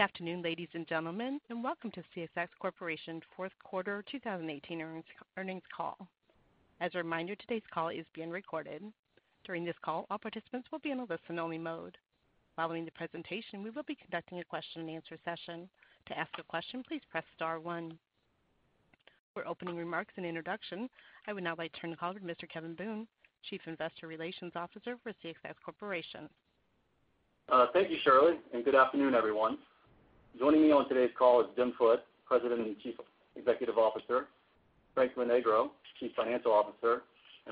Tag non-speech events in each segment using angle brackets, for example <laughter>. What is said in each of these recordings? Good afternoon, ladies and gentlemen, and welcome to CSX Corporation's fourth quarter 2018 earnings call. As a reminder, today's call is being recorded. During this call, all participants will be in a listen-only mode. Following the presentation, we will be conducting a question and answer session. To ask a question, please press star one. For opening remarks and introduction, I would now like to turn the call to Mr. Kevin Boone, Chief Investor Relations Officer for CSX Corporation. Thank you, Shirley. Good afternoon, everyone. Joining me on today's call is Jim Foote, President and Chief Executive Officer, Frank Lonegro, Chief Financial Officer,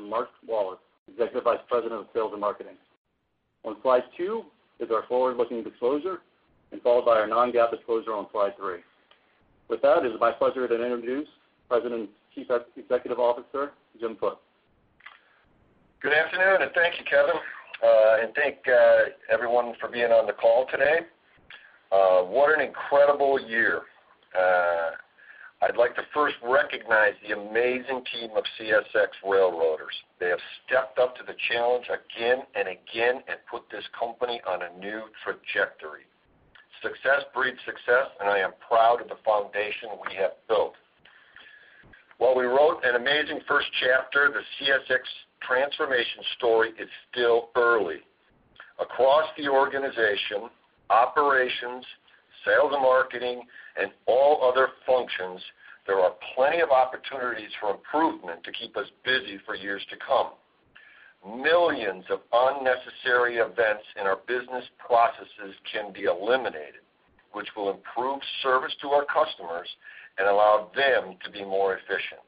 Mark Wallace, Executive Vice President of Sales and Marketing. On slide two is our forward-looking disclosure, followed by our non-GAAP disclosure on slide three. It is my pleasure to introduce President and Chief Executive Officer, Jim Foote. Good afternoon, and thank you, Kevin. Thank everyone for being on the call today. What an incredible year. I'd like to first recognize the amazing team of CSX railroaders. They have stepped up to the challenge again and again and put this company on a new trajectory. Success breeds success. I am proud of the foundation we have built. While we wrote an amazing first chapter, the CSX transformation story is still early. Across the organization, operations, sales and marketing, and all other functions, there are plenty of opportunities for improvement to keep us busy for years to come. Millions of unnecessary events in our business processes can be eliminated, which will improve service to our customers and allow them to be more efficient.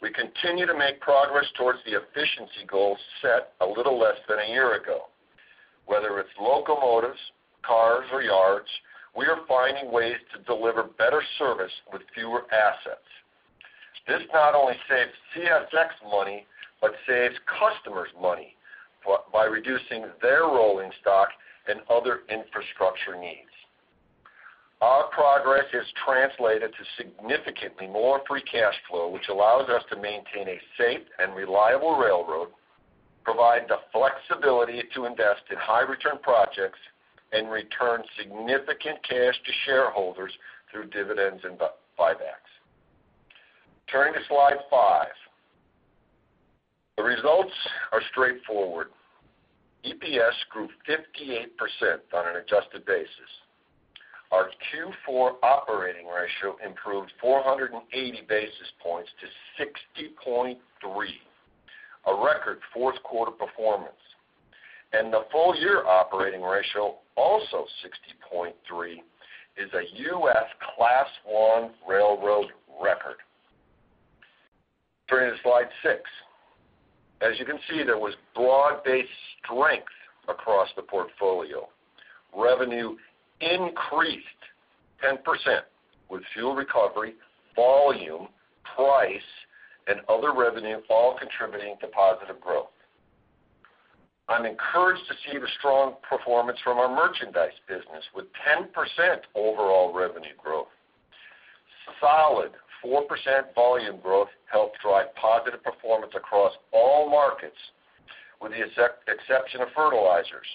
We continue to make progress towards the efficiency goals set a little less than a year ago. Whether it's locomotives, cars, or yards, we are finding ways to deliver better service with fewer assets. This not only saves CSX money but saves customers money by reducing their rolling stock and other infrastructure needs. Our progress has translated to significantly more free cash flow, which allows us to maintain a safe and reliable railroad, provide the flexibility to invest in high-return projects, and return significant cash to shareholders through dividends and buybacks. Turning to slide five. The results are straightforward. EPS grew 58% on an adjusted basis. Our Q4 operating ratio improved 480 basis points to 60.3, a record fourth-quarter performance. The full-year operating ratio, also 60.3, is a U.S. Class I railroad record. Turning to slide six. As you can see, there was broad-based strength across the portfolio. Revenue increased 10% with fuel recovery, volume, price, and other revenue all contributing to positive growth. I'm encouraged to see the strong performance from our merchandise business, with 10% overall revenue growth. Solid 4% volume growth helped drive positive performance across all markets, with the exception of fertilizers.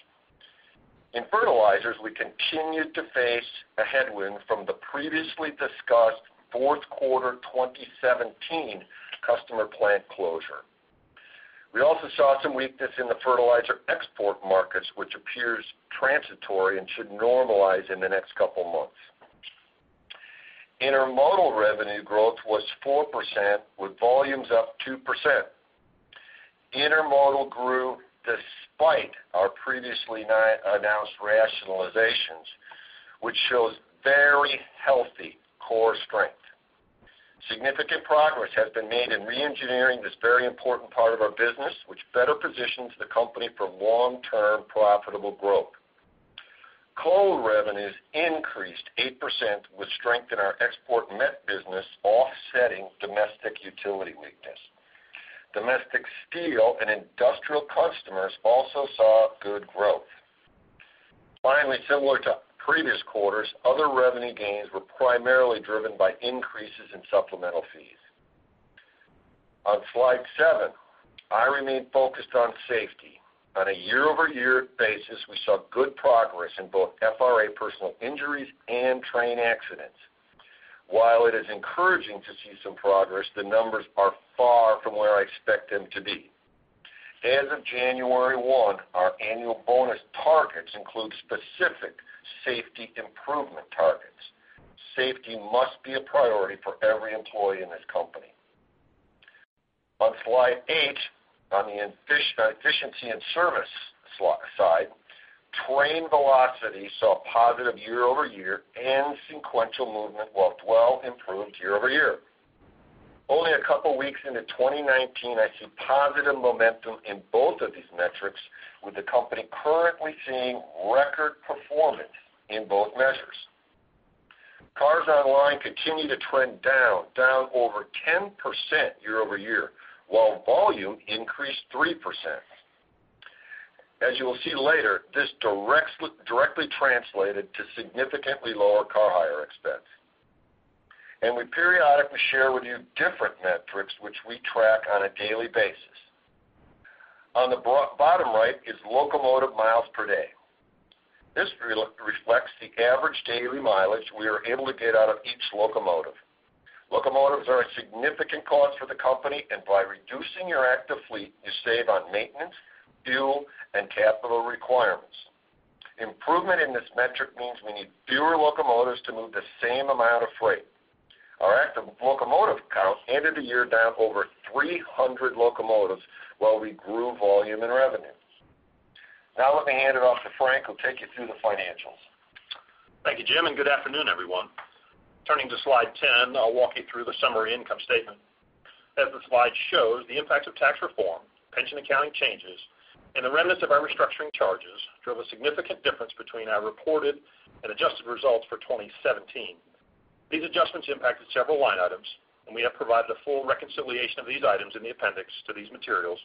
In fertilizers, we continued to face a headwind from the previously discussed fourth quarter 2017 customer plant closure. We also saw some weakness in the fertilizer export markets, which appears transitory and should normalize in the next couple of months. Intermodal revenue growth was 4%, with volumes up 2%. Intermodal grew despite our previously announced rationalizations, which shows very healthy core strength. Significant progress has been made in reengineering this very important part of our business, which better positions the company for long-term profitable growth. Coal revenues increased 8% with strength in our export met business offsetting domestic utility weakness. Domestic steel and industrial customers also saw good growth. Similar to previous quarters, other revenue gains were primarily driven by increases in supplemental fees. On slide seven, I remain focused on safety. On a year-over-year basis, we saw good progress in both FRA personal injuries and train accidents. While it is encouraging to see some progress, the numbers are far from where I expect them to be. As of January 1, our annual bonus targets include specific safety improvement targets. Safety must be a priority for every employee in this company. On slide eight, on the efficiency and service side, train velocity saw a positive year-over-year, and sequential movement walked well improved year-over-year. Only a couple weeks into 2019, I see positive momentum in both of these metrics with the company currently seeing record performance in both measures. Cars online continue to trend down over 10% year-over-year, while volume increased 3%. As you will see later, this directly translated to significantly lower car hire rates. The <inaudible> will share with you different metrics which we track on a daily basis. On the bottom right is locomotive miles per day. This reflects the average daily mileage we are able to get out of each locomotive. Locomotives are a significant cost for the company, and by reducing your active fleet, you save on maintenance, fuel, and capital requirements. Improvement in this metric means we need fewer locomotives to move the same amount of freight. Our active locomotive count ended the year down over 300 locomotives while we grew volume and revenue. Let me hand it off to Frank, who'll take you through the financials. Thank you, Jim, and good afternoon, everyone. Turning to slide 10, I'll walk you through the summary income statement. As the slide shows, the impact of tax reform, pension accounting changes, and the remnants of our restructuring charges drove a significant difference between our reported and adjusted results for 2017. These adjustments impacted several line items, and we have provided a full reconciliation of these items in the appendix to these materials,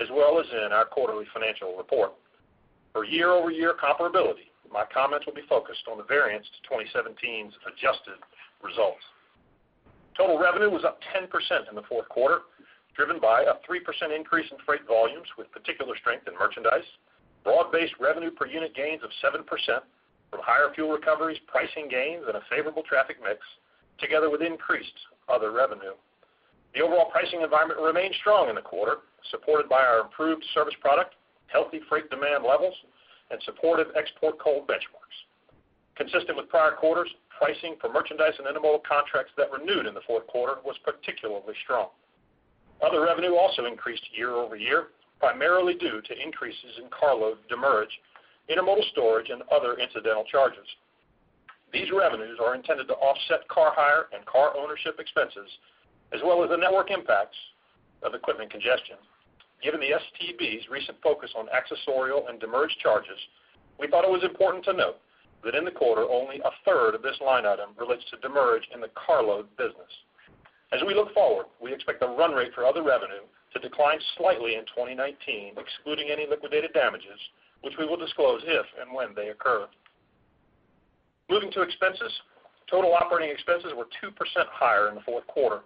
as well as in our quarterly financial report. For year-over-year comparability, my comments will be focused on the variance to 2017's adjusted results. Total revenue was up 10% in the fourth quarter, driven by a 3% increase in freight volumes with particular strength in merchandise, broad-based revenue per unit gains of 7% from higher fuel recoveries, pricing gains, and a favorable traffic mix, together with increased other revenue. The overall pricing environment remained strong in the quarter, supported by our improved service product, healthy freight demand levels, and supportive export coal benchmarks. Consistent with prior quarters, pricing for merchandise and intermodal contracts that renewed in the fourth quarter was particularly strong. Other revenue also increased year-over-year, primarily due to increases in carload demurrage, intermodal storage, and other incidental charges. These revenues are intended to offset car hire and car ownership expenses, as well as the network impacts of equipment congestion. Given the STB's recent focus on accessorial and demurrage charges, we thought it was important to note that in the quarter, only a third of this line item relates to demurrage in the carload business. As we look forward, we expect the run rate for other revenue to decline slightly in 2019, excluding any liquidated damages, which we will disclose if and when they occur. Moving to expenses, total operating expenses were 2% higher in the fourth quarter.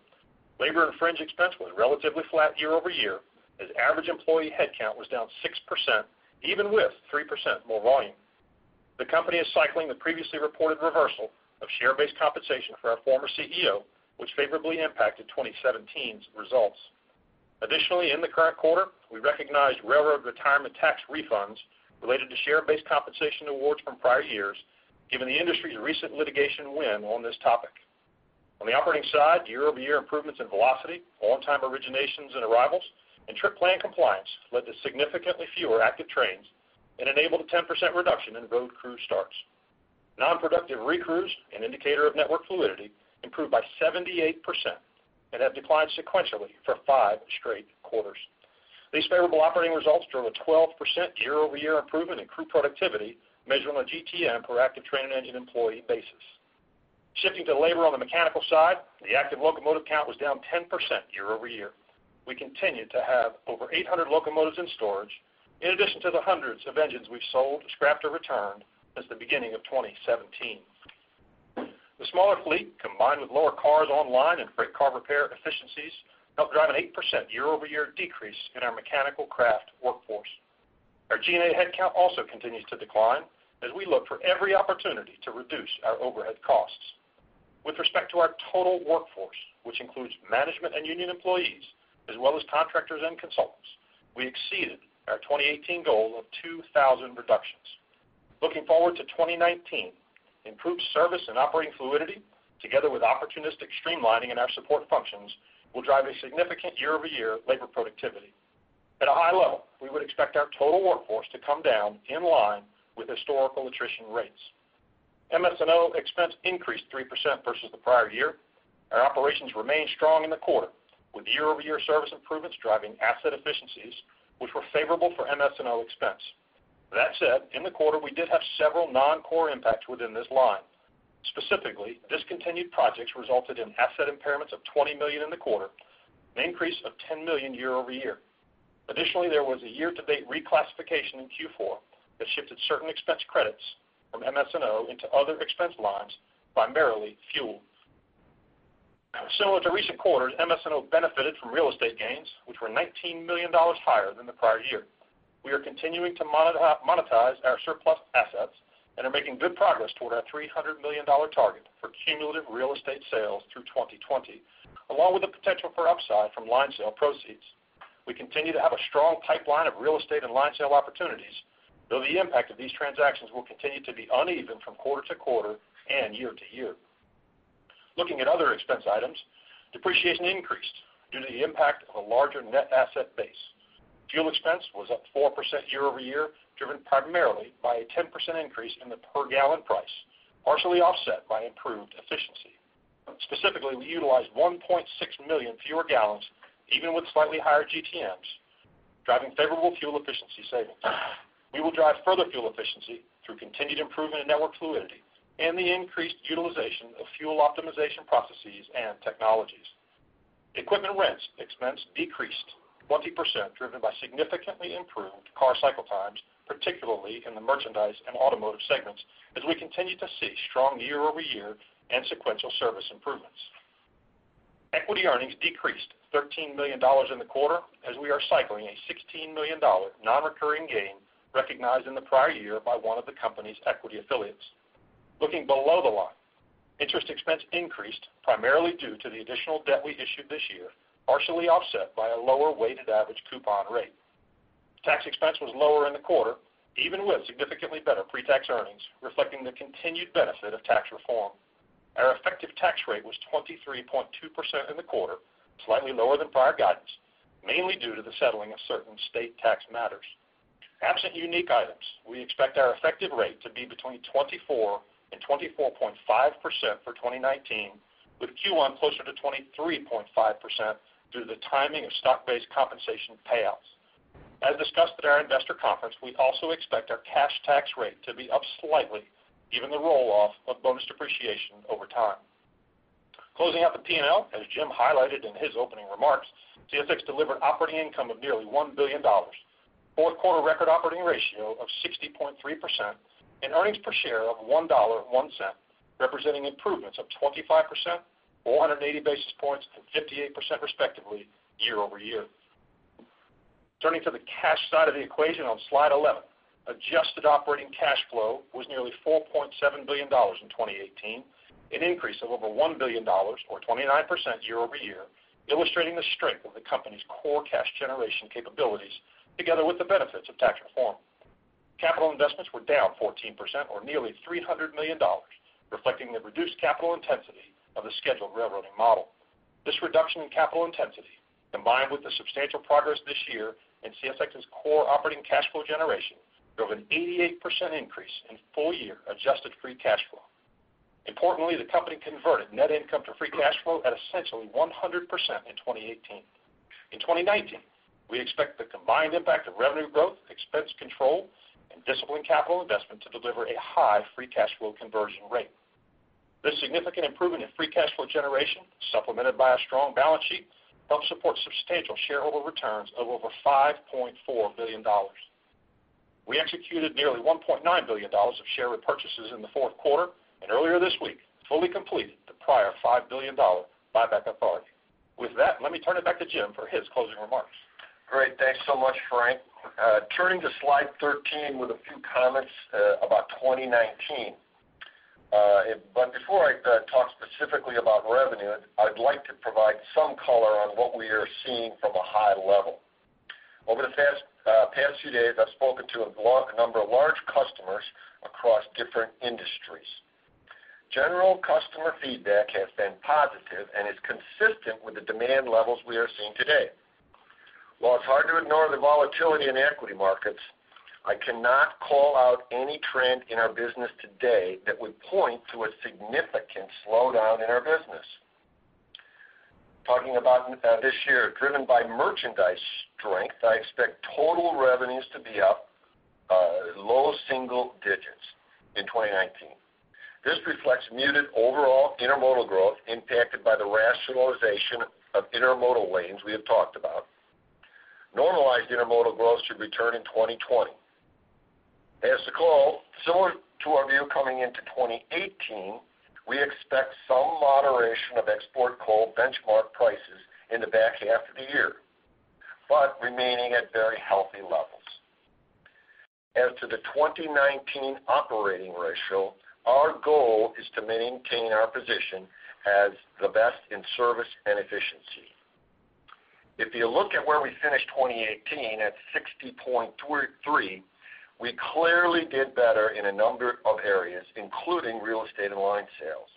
Labor and fringe expense was relatively flat year-over-year, as average employee headcount was down 6%, even with 3% more volume. The company is cycling the previously reported reversal of share-based compensation for our former CEO, which favorably impacted 2017's results. Additionally, in the current quarter, we recognized railroad retirement tax refunds related to share-based compensation awards from prior years, given the industry's recent litigation win on this topic. On the operating side, year-over-year improvements in velocity, on-time originations and arrivals, and trip plan compliance led to significantly fewer active trains and enabled a 10% reduction in road crew starts. Non-productive recrews, an indicator of network fluidity, improved by 78% and have declined sequentially for five straight quarters. These favorable operating results drove a 12% year-over-year improvement in crew productivity, measured on a GTM per active train and engine employee basis. Shifting to labor on the mechanical side, the active locomotive count was down 10% year-over-year. We continued to have over 800 locomotives in storage, in addition to the hundreds of engines we've sold, scrapped, or returned since the beginning of 2017. The smaller fleet, combined with lower cars online and freight car repair efficiencies, helped drive an 8% year-over-year decrease in our mechanical craft workforce. Our G&A headcount also continues to decline as we look for every opportunity to reduce our overhead costs. With respect to our total workforce, which includes management and union employees, as well as contractors and consultants, we exceeded our 2018 goal of 2,000 reductions. Looking forward to 2019, improved service and operating fluidity, together with opportunistic streamlining in our support functions, will drive a significant year-over-year labor productivity. At a high level, we would expect our total workforce to come down in line with historical attrition rates. MS&O expense increased 3% versus the prior year. Our operations remained strong in the quarter, with year-over-year service improvements driving asset efficiencies, which were favorable for MS&O expense. That said, in the quarter, we did have several non-core impacts within this line. Specifically, discontinued projects resulted in asset impairments of $20 million in the quarter, an increase of $10 million year-over-year. Additionally, there was a year-to-date reclassification in Q4 that shifted certain expense credits from MS&O into other expense lines, primarily fuel. Similar to recent quarters, MS&O benefited from real estate gains, which were $19 million higher than the prior year. We are continuing to monetize our surplus assets and are making good progress toward our $300 million target for cumulative real estate sales through 2020, along with the potential for upside from line sale proceeds. We continue to have a strong pipeline of real estate and line sale opportunities, though the impact of these transactions will continue to be uneven from quarter-to-quarter and year-to-year. Looking at other expense items, depreciation increased due to the impact of a larger net asset base. Fuel expense was up 4% year-over-year, driven primarily by a 10% increase in the per gallon price, partially offset by improved efficiency. Specifically, we utilized 1.6 million fewer gallons, even with slightly higher GTMs, driving favorable fuel efficiency savings. We will drive further fuel efficiency through continued improvement in network fluidity and the increased utilization of fuel optimization processes and technologies. Equipment rents expense decreased 20%, driven by significantly improved car cycle times, particularly in the merchandise and automotive segments, as we continue to see strong year-over-year and sequential service improvements. Equity earnings decreased $13 million in the quarter as we are cycling a $16 million non-recurring gain recognized in the prior year by one of the company's equity affiliates. Looking below the line, interest expense increased primarily due to the additional debt we issued this year, partially offset by a lower weighted average coupon rate. Tax expense was lower in the quarter, even with significantly better pre-tax earnings, reflecting the continued benefit of tax reform. Our effective tax rate was 23.2% in the quarter, slightly lower than prior guidance, mainly due to the settling of certain state tax matters. Absent unique items, we expect our effective rate to be between 24% and 24.5% for 2019, with Q1 closer to 23.5% due to the timing of stock-based compensation payouts. As discussed at our investor conference, we also expect our cash tax rate to be up slightly given the roll-off of bonus depreciation over time. Closing out the P&L, as Jim highlighted in his opening remarks, CSX delivered operating income of nearly $1 billion, fourth quarter record operating ratio of 60.3%, and earnings per share of $1.01, representing improvements of 25%, 480 basis points, and 58% respectively year-over-year. Turning to the cash side of the equation on slide 11, adjusted operating cash flow was nearly $4.7 billion in 2018, an increase of over $1 billion or 29% year-over-year, illustrating the strength of the company's core cash generation capabilities together with the benefits of tax reform. Capital investments were down 14% or nearly $300 million, reflecting the reduced capital intensity of the scheduled railroading model. This reduction in capital intensity, combined with the substantial progress this year in CSX's core operating cash flow generation, drove an 88% increase in full-year adjusted free cash flow. Importantly, the company converted net income to free cash flow at essentially 100% in 2018. In 2019, we expect the combined impact of revenue growth, expense control, and disciplined capital investment to deliver a high free cash flow conversion rate. This significant improvement in free cash flow generation, supplemented by a strong balance sheet, helps support substantial shareholder returns of over $5.4 billion. We executed nearly $1.9 billion of share repurchases in the fourth quarter, and earlier this week, fully completed the prior $5 billion buyback authority. With that, let me turn it back to Jim for his closing remarks. Great. Thanks so much, Frank. Turning to slide 13 with a few comments about 2019. Before I talk specifically about revenue, I'd like to provide some color on what we are seeing from a high level. Over the past few days, I've spoken to a number of large customers across different industries. General customer feedback has been positive and is consistent with the demand levels we are seeing today. While it's hard to ignore the volatility in equity markets, I cannot call out any trend in our business today that would point to a significant slowdown in our business. Talking about this year, driven by merchandise strength, I expect total revenues to be up low single digits in 2019. This reflects muted overall intermodal growth impacted by the rationalization of intermodal lanes we have talked about. Normalized intermodal growth should return in 2020. As to coal, similar to our view coming into 2018, we expect some moderation of export coal benchmark prices in the back half of the year, but remaining at very healthy levels. As to the 2019 operating ratio, our goal is to maintain our position as the best in service and efficiency. If you look at where we finished 2018 at 60.3, we clearly did better in a number of areas, including real estate and line sales.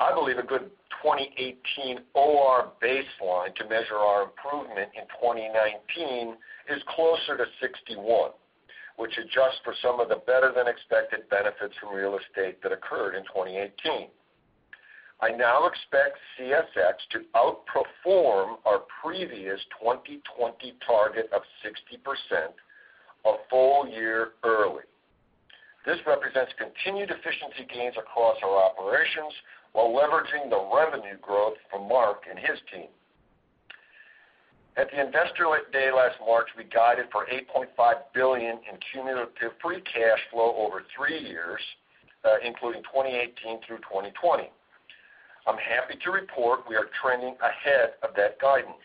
I believe a good 2018 OR baseline to measure our improvement in 2019 is closer to 61, which adjusts for some of the better-than-expected benefits from real estate that occurred in 2018. I now expect CSX to outperform our previous 2020 target of 60% a full year early. This represents continued efficiency gains across our operations while leveraging the revenue growth from Mark and his team. At the investor day last March, we guided for $8.5 billion in cumulative free cash flow over three years, including 2018 through 2020. I'm happy to report we are trending ahead of that guidance.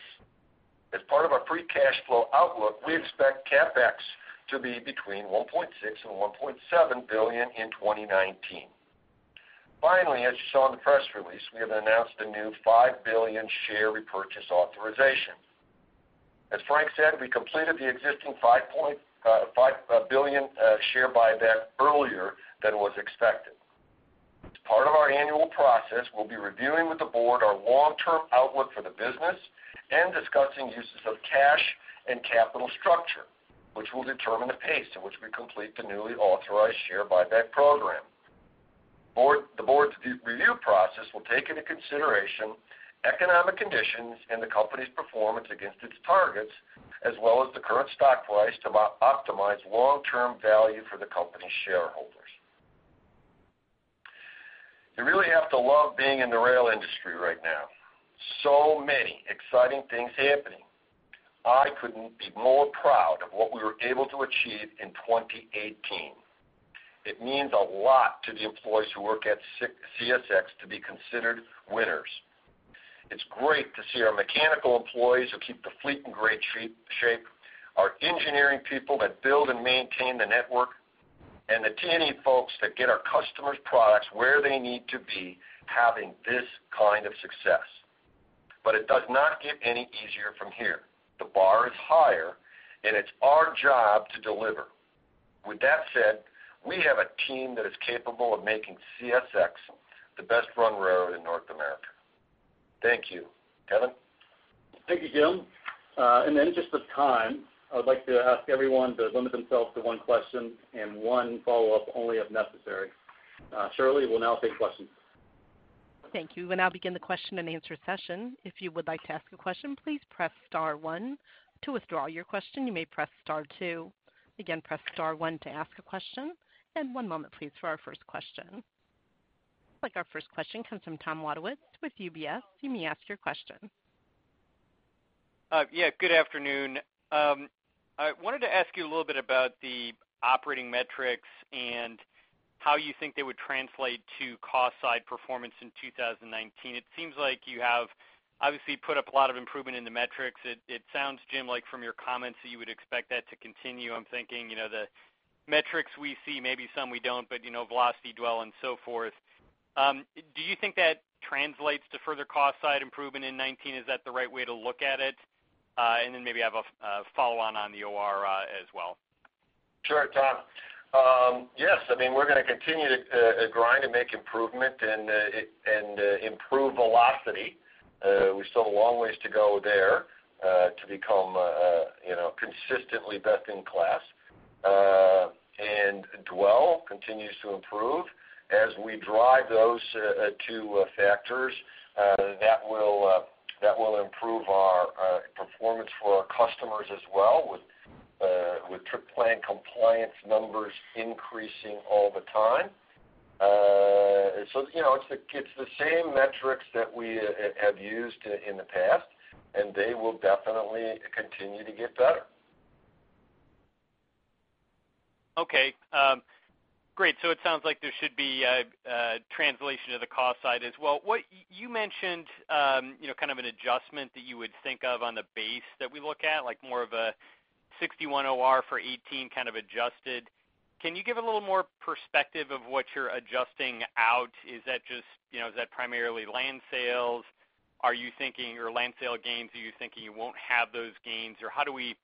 As part of our free cash flow outlook, we expect CapEx to be between $1.6 billion-$1.7 billion in 2019. Finally, as you saw in the press release, we have announced a new $5 billion share repurchase authorization. As Frank said, we completed the existing $5 billion share buyback earlier than was expected. As part of our annual process, we'll be reviewing with the board our long-term outlook for the business and discussing uses of cash and capital structure, which will determine the pace at which we complete the newly authorized share buyback program. The board's review process will take into consideration economic conditions and the company's performance against its targets, as well as the current stock price to optimize long-term value for the company's shareholders. You really have to love being in the rail industry right now. Many exciting things happening. I couldn't be more proud of what we were able to achieve in 2018. It means a lot to the employees who work at CSX to be considered winners. It's great to see our mechanical employees who keep the fleet in great shape, our engineering people that build and maintain the network, and the T&E folks that get our customers' products where they need to be, having this kind of success. It does not get any easier from here. The bar is higher, and it's our job to deliver. With that said, we have a team that is capable of making CSX the best-run road in North America. Thank you. Kevin? Thank you, Jim. In the interest of time, I would like to ask everyone to limit themselves to one question and one follow-up only if necessary. Shirley will now take questions. Thank you. We'll now begin the question-and-answer session. If you would like to ask a question, please press star one. To withdraw your question, you may press star two. Again, press star one to ask a question, and one moment, please, for our first question. Looks like our first question comes from Thomas Wadewitz with UBS. You may ask your question. Yeah. Good afternoon. I wanted to ask you a little bit about the operating metrics and how you think they would translate to cost side performance in 2019. It seems like you have obviously put up a lot of improvement in the metrics. It sounds, Jim, like from your comments, that you would expect that to continue. I'm thinking, the metrics we see, maybe some we don't, but velocity, dwell, and so forth. Do you think that translates to further cost side improvement in 2019? Is that the right way to look at it? Maybe I have a follow-on on the OR as well. Sure, Tom. Yes, we're going to continue to grind and make improvement and improve velocity. We still have a long ways to go there to become consistently best in class. Dwell continues to improve. As we drive those two factors, that will improve our performance for our customers as well with trip plan compliance numbers increasing all the time. It's the same metrics that we have used in the past, and they will definitely continue to get better. Okay, great. It sounds like there should be a translation to the cost side as well. You mentioned an adjustment that you would think of on the base that we look at, like more of a 61 OR for 2018 kind of adjusted. Can you give a little more perspective of what you're adjusting out? Is that primarily land sales or land sale gains? Are you thinking you won't have those gains, or how do we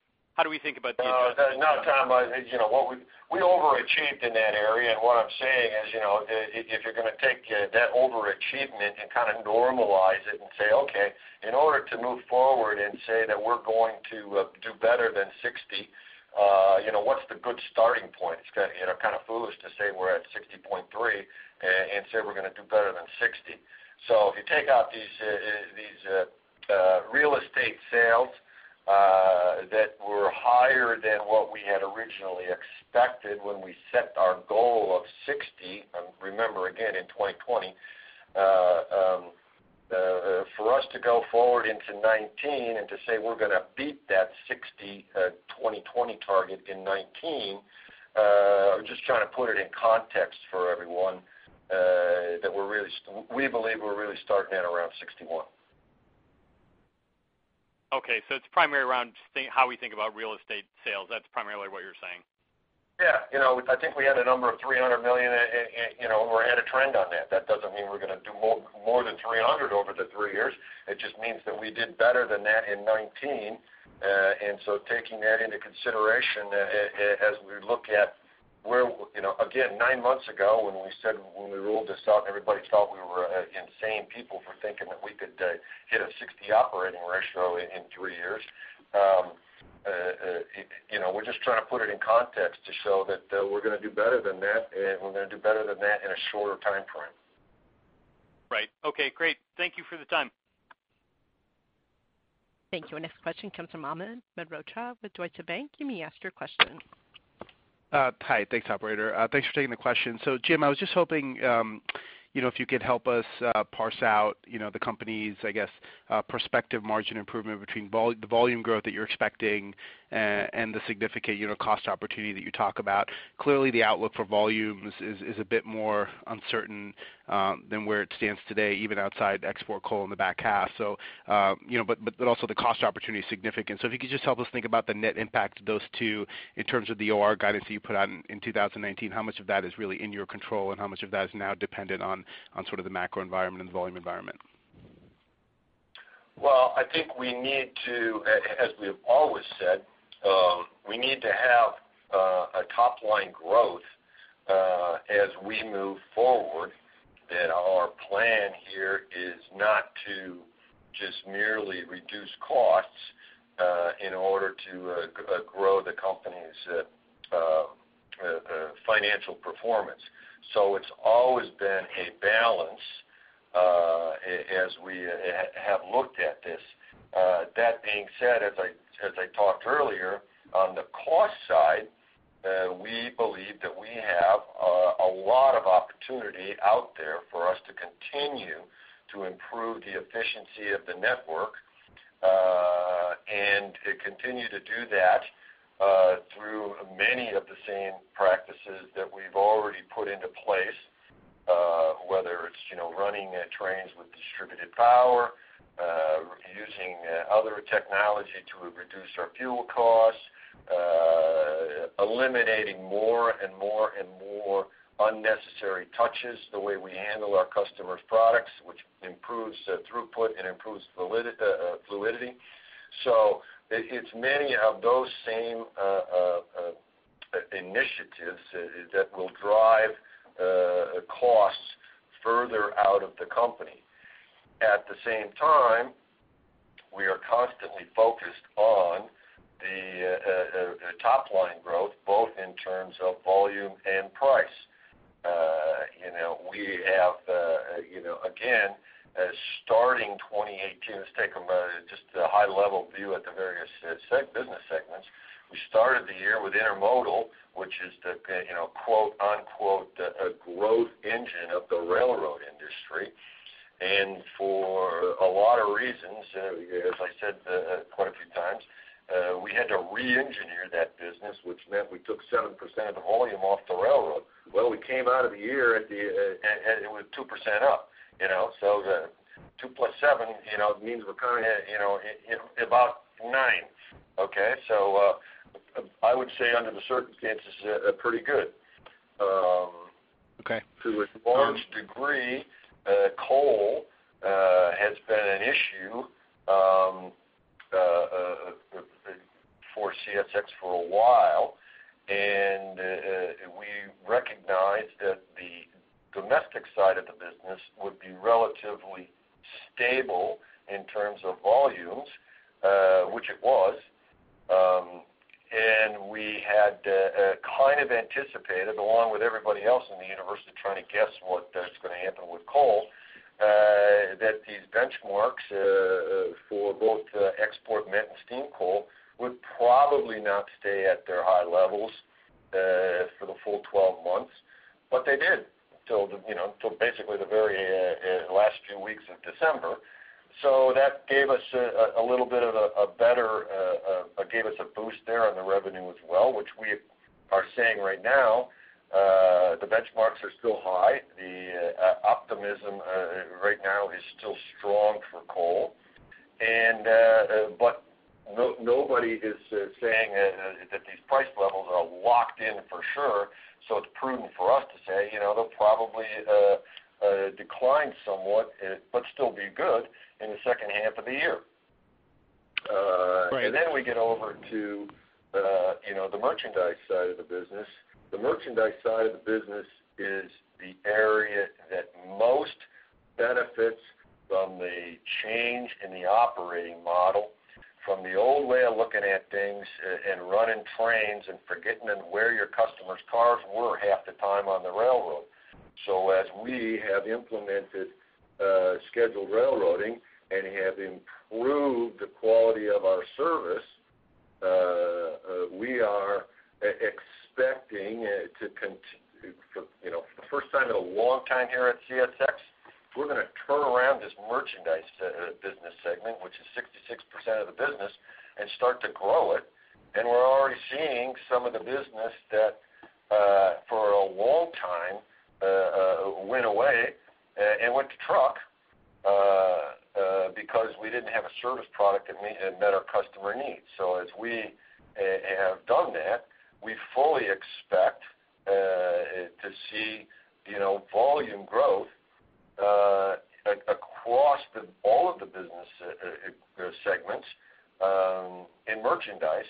think about the adjustment? No, Tom, we overachieved in that area, and what I'm saying is if you're going to take that overachievement and normalize it and say, okay, in order to move forward and say that we're going to do better than 60, what's the good starting point? It's kind of foolish to say we're at 60.3 and say we're going to do better than 60. If you take out these real estate sales that were higher than what we had originally expected when we set our goal of 60, remember again, in 2020, for us to go forward into 2019 and to say we're going to beat that 60, 2020 target in 2019, just trying to put it in context for everyone, that we believe we're really starting at around 61. Okay, it's primarily around how we think about real estate sales. That's primarily what you're saying. Yeah. I think we had a number of $300 million, and we're ahead of trend on that. That doesn't mean we're going to do more than $300 over the three years. It just means that we did better than that in 2019. Taking that into consideration as we look at. Again, nine months ago when we ruled this out and everybody thought we were insane people for thinking that we could hit a 60 operating ratio in three years. We're just trying to put it in context to show that we're going to do better than that, and we're going to do better than that in a shorter timeframe. Right. Okay, great. Thank you for the time. Thank you. Our next question comes from Amit Mehrotra with Deutsche Bank. You may ask your question. Hi. Thanks, operator. Thanks for taking the question. Jim, I was just hoping if you could help us parse out the company's, I guess, prospective margin improvement between the volume growth that you're expecting and the significant cost opportunity that you talk about. Clearly, the outlook for volumes is a bit more uncertain than where it stands today, even outside export coal in the back half. Also the cost opportunity is significant. If you could just help us think about the net impact of those two in terms of the OR guidance that you put out in 2019, how much of that is really in your control and how much of that is now dependent on sort of the macro environment and the volume environment? I think we need to, as we have always said, we need to have a top-line growth as we move forward, that our plan here is not to just merely reduce costs in order to grow the company's financial performance. It's always been a balance. As we have looked at this. That being said, as I talked earlier, on the cost side, we believe that we have a lot of opportunity out there for us to continue to improve the efficiency of the network, and to continue to do that through many of the same practices that we've already put into place, whether it's running trains with distributed power, using other technology to reduce our fuel costs, eliminating more and more unnecessary touches, the way we handle our customers' products, which improves throughput and improves fluidity. It's many of those same initiatives that will drive costs further out of the company. At the same time, we are constantly focused on the top line growth, both in terms of volume and price. Again, starting 2018, let's take just a high level view at the various business segments. We started the year with intermodal, which is the, "a growth engine of the railroad industry." For a lot of reasons, as I said quite a few times, we had to re-engineer that business, which meant we took 7% of the volume off the railroad. We came out of the year and it was 2% up. The two plus seven means we're currently at about nine. Okay? I would say under the circumstances it's pretty good. Okay. To a large degree, coal has been an issue for CSX for a while, and we recognized that the domestic side of the business would be relatively stable in terms of volumes, which it was. We had anticipated, along with everybody else in the universe of trying to guess what's going to happen with coal, that these benchmarks, for both export met and steam coal, would probably not stay at their high levels for the full 12 months. They did, till basically the very last few weeks of December. That gave us a boost there on the revenue as well, which we are saying right now, the benchmarks are still high. The optimism right now is still strong for coal. Nobody is saying that these price levels are locked in for sure, so it's prudent for us to say, they'll probably decline somewhat, but still be good in the second half of the year. Right. Now we get over to the merchandise side of the business. The merchandise side of the business is the area that most benefits from the change in the operating model from the old way of looking at things and running trains and forgetting where your customer's cars were half the time on the railroad. As we have implemented scheduled railroading and have improved the quality of our service, we are expecting, for the first time in a long time here at CSX, we're going to turn around this merchandise business segment, which is 66% of the business, and start to grow it. We're already seeing some of the business that for a long time went away and went to truck because we didn't have a service product that met our customer needs. As we have done that, we fully expect to see volume growth across all of the business segments in merchandise,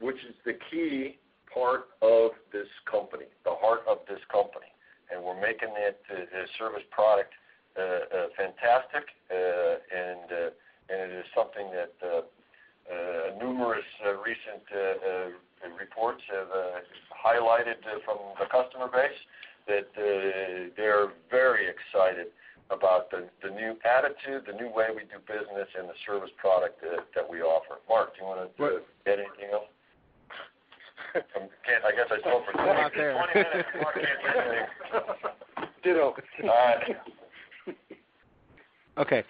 which is the key part of this company, the heart of this company. We're making the service product fantastic, and it is something that numerous recent reports have highlighted from the customer base that they're very excited about the new attitude, the new way we do business, and the service product that we offer. Mark, do you want to add anything else? I guess I talked for 20 minutes, Mark can't think. Ditto. All right.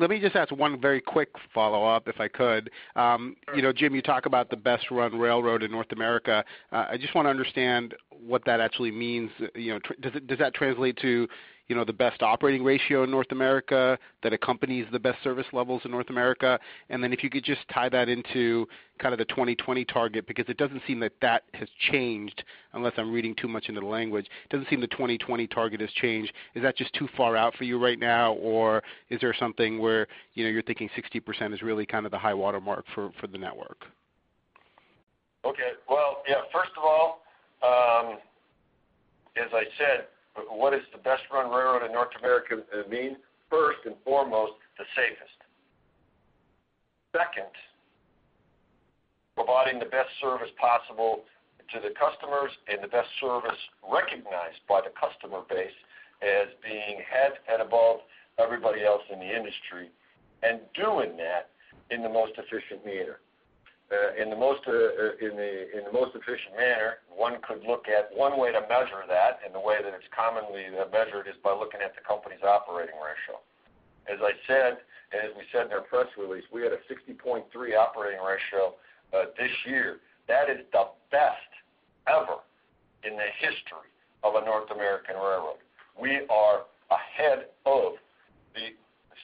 Let me just ask one very quick follow-up, if I could. Sure. Jim, you talk about the best run railroad in North America. I just want to understand what that actually means. Does that translate to the best operating ratio in North America, that accompanies the best service levels in North America? If you could just tie that into the 2020 target, because it doesn't seem that that has changed, unless I'm reading too much into the language. It doesn't seem the 2020 target has changed. Is that just too far out for you right now, or is there something where you're thinking 60% is really the high watermark for the network? Okay. Well, yeah, first of all, as I said, what does the best run railroad in North America mean? First and foremost, the safest. Second. Providing the best service possible to the customers the best service recognized by the customer base as being head and above everybody else in the industry, doing that in the most efficient manner. One could look at one way to measure that, the way that it's commonly measured is by looking at the company's operating ratio. As I said, as we said in our press release, we had a 60.3 operating ratio, this year. That is the best ever in the history of a North American railroad. We are ahead of the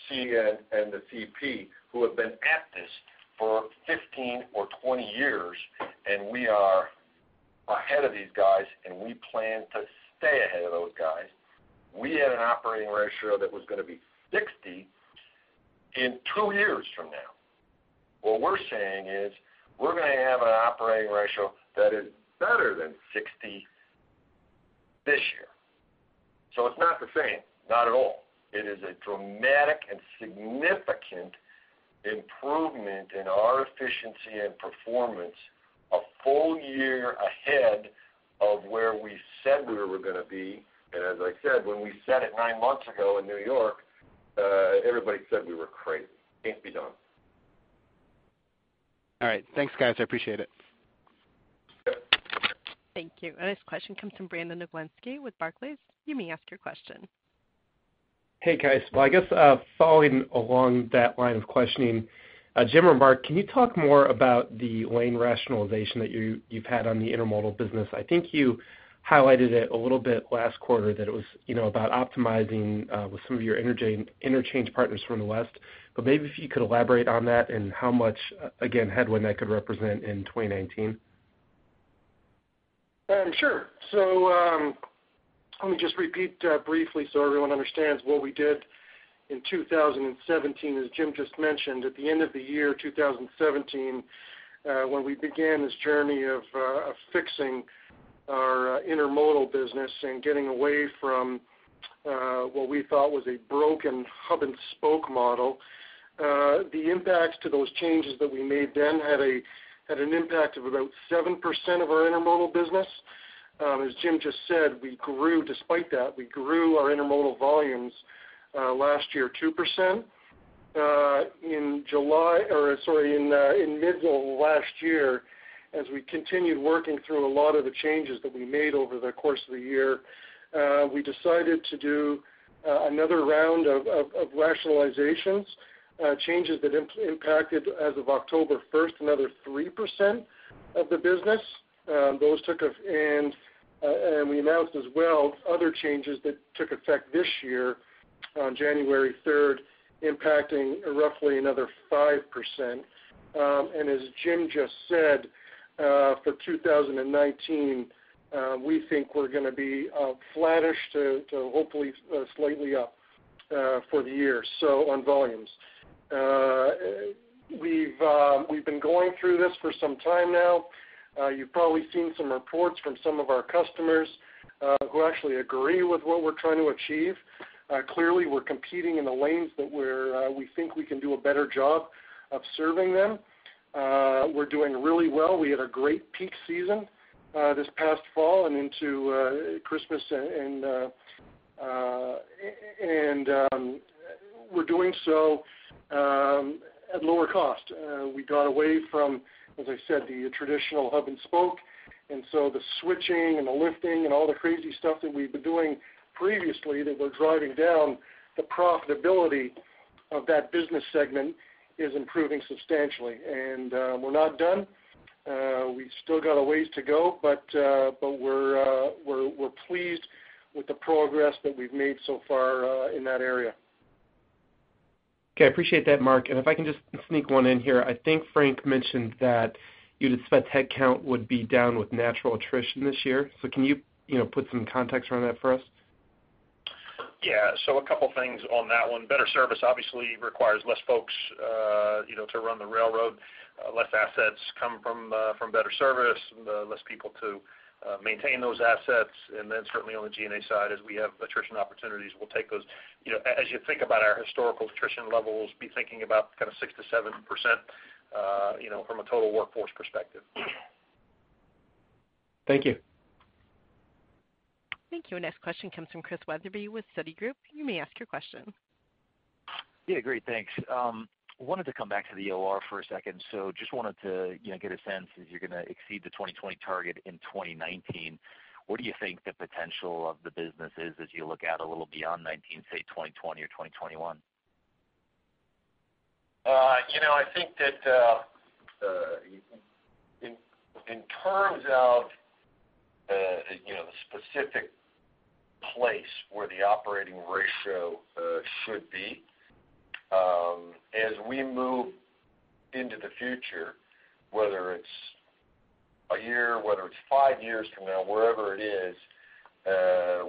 CN the CP, who have been at this for 15 or 20 years, we are ahead of these guys, we plan to stay ahead of those guys. We had an operating ratio that was going to be 60 in two years from now. What we're saying is we're going to have an operating ratio that is better than 60 this year. It's not the same, not at all. It is a dramatic and significant improvement in our efficiency and performance a full year ahead of where we said we were going to be. As I said, when we said it nine months ago in New York, everybody said we were crazy. Can't be done. All right. Thanks, guys. I appreciate it. Sure. Thank you. Our next question comes from Brandon Oglenski with Barclays. You may ask your question. Hey, guys. I guess following along that line of questioning, Jim or Mark, can you talk more about the lane rationalization that you've had on the intermodal business? I think you highlighted it a little bit last quarter that it was about optimizing with some of your interchange partners from the West, maybe if you could elaborate on that and how much, again, headwind that could represent in 2019. Sure. Let me just repeat briefly so everyone understands what we did in 2017. As Jim just mentioned, at the end of the year 2017, when we began this journey of fixing our intermodal business and getting away from what we thought was a broken hub-and-spoke model, the impacts to those changes that we made then had an impact of about 7% of our intermodal business. As Jim just said, despite that, we grew our intermodal volumes last year 2%. In mid of last year, as we continued working through a lot of the changes that we made over the course of the year, we decided to do another round of rationalizations, changes that impacted, as of October 1st, another 3% of the business. We announced as well other changes that took effect this year on January 3rd, impacting roughly another 5%. As Jim just said, for 2019, we think we're going to be flattish to hopefully slightly up for the year on volumes. We've been going through this for some time now. You've probably seen some reports from some of our customers who actually agree with what we're trying to achieve. Clearly, we're competing in the lanes that we think we can do a better job of serving them. We're doing really well. We had a great peak season this past fall and into Christmas, and we're doing so at lower cost. We got away from, as I said, the traditional hub-and-spoke, so the switching and the lifting and all the crazy stuff that we've been doing previously that were driving down the profitability of that business segment is improving substantially. We're not done. We still got a ways to go, but we're pleased with the progress that we've made so far in that area. Okay. I appreciate that, Mark. If I can just sneak one in here. I think Frank mentioned that you'd expect headcount would be down with natural attrition this year. Can you put some context around that for us? Yeah. A couple things on that one. Better service obviously requires less folks to run the railroad. Less assets come from better service, and less people to maintain those assets. Then certainly on the G&A side, as we have attrition opportunities, we'll take those. As you think about our historical attrition levels, be thinking about 6%-7% from a total workforce perspective. Thank you. Thank you. Next question comes from Christian Wetherbee with Citigroup. You may ask your question. Great. Thanks. Wanted to come back to the OR for a second. Just wanted to get a sense if you're going to exceed the 2020 target in 2019. What do you think the potential of the business is as you look out a little beyond 2019, say 2020 or 2021? I think that in terms of the specific place where the operating ratio should be, as we move into the future, whether it's a year, whether it's five years from now, wherever it is,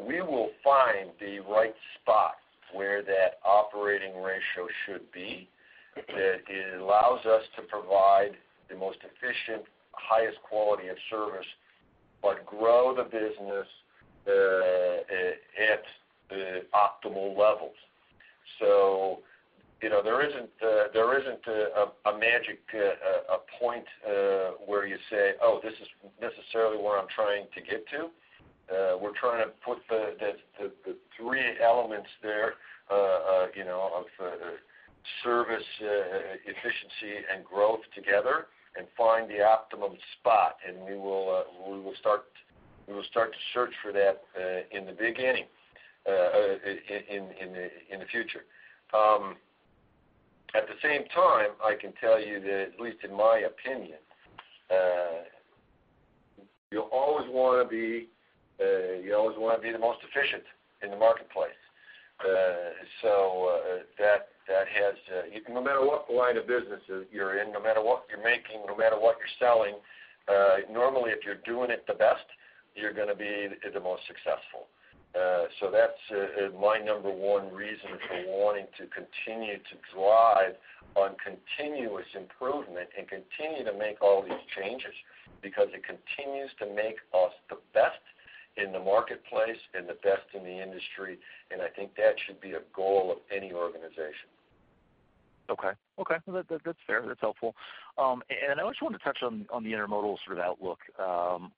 we will find the right spot where that operating ratio should be, that it allows us to provide the most efficient, highest quality of service, grow the business at optimal levels. There isn't a magic point where you say, oh, this is necessarily where I'm trying to get to. We're trying to put the three elements there, of service, efficiency, and growth together and find the optimum spot. We will start to search for that in the beginning, in the future. At the same time, I can tell you that, at least in my opinion, you always want to be the most efficient in the marketplace. No matter what line of business you're in, no matter what you're making, no matter what you're selling, normally if you're doing it the best, you're going to be the most successful. That's my number one reason for wanting to continue to drive on continuous improvement and continue to make all these changes, because it continues to make us the best in the marketplace and the best in the industry. I think that should be a goal of any organization. Okay. That's fair. That's helpful. I also wanted to touch on the Intermodal sort of outlook.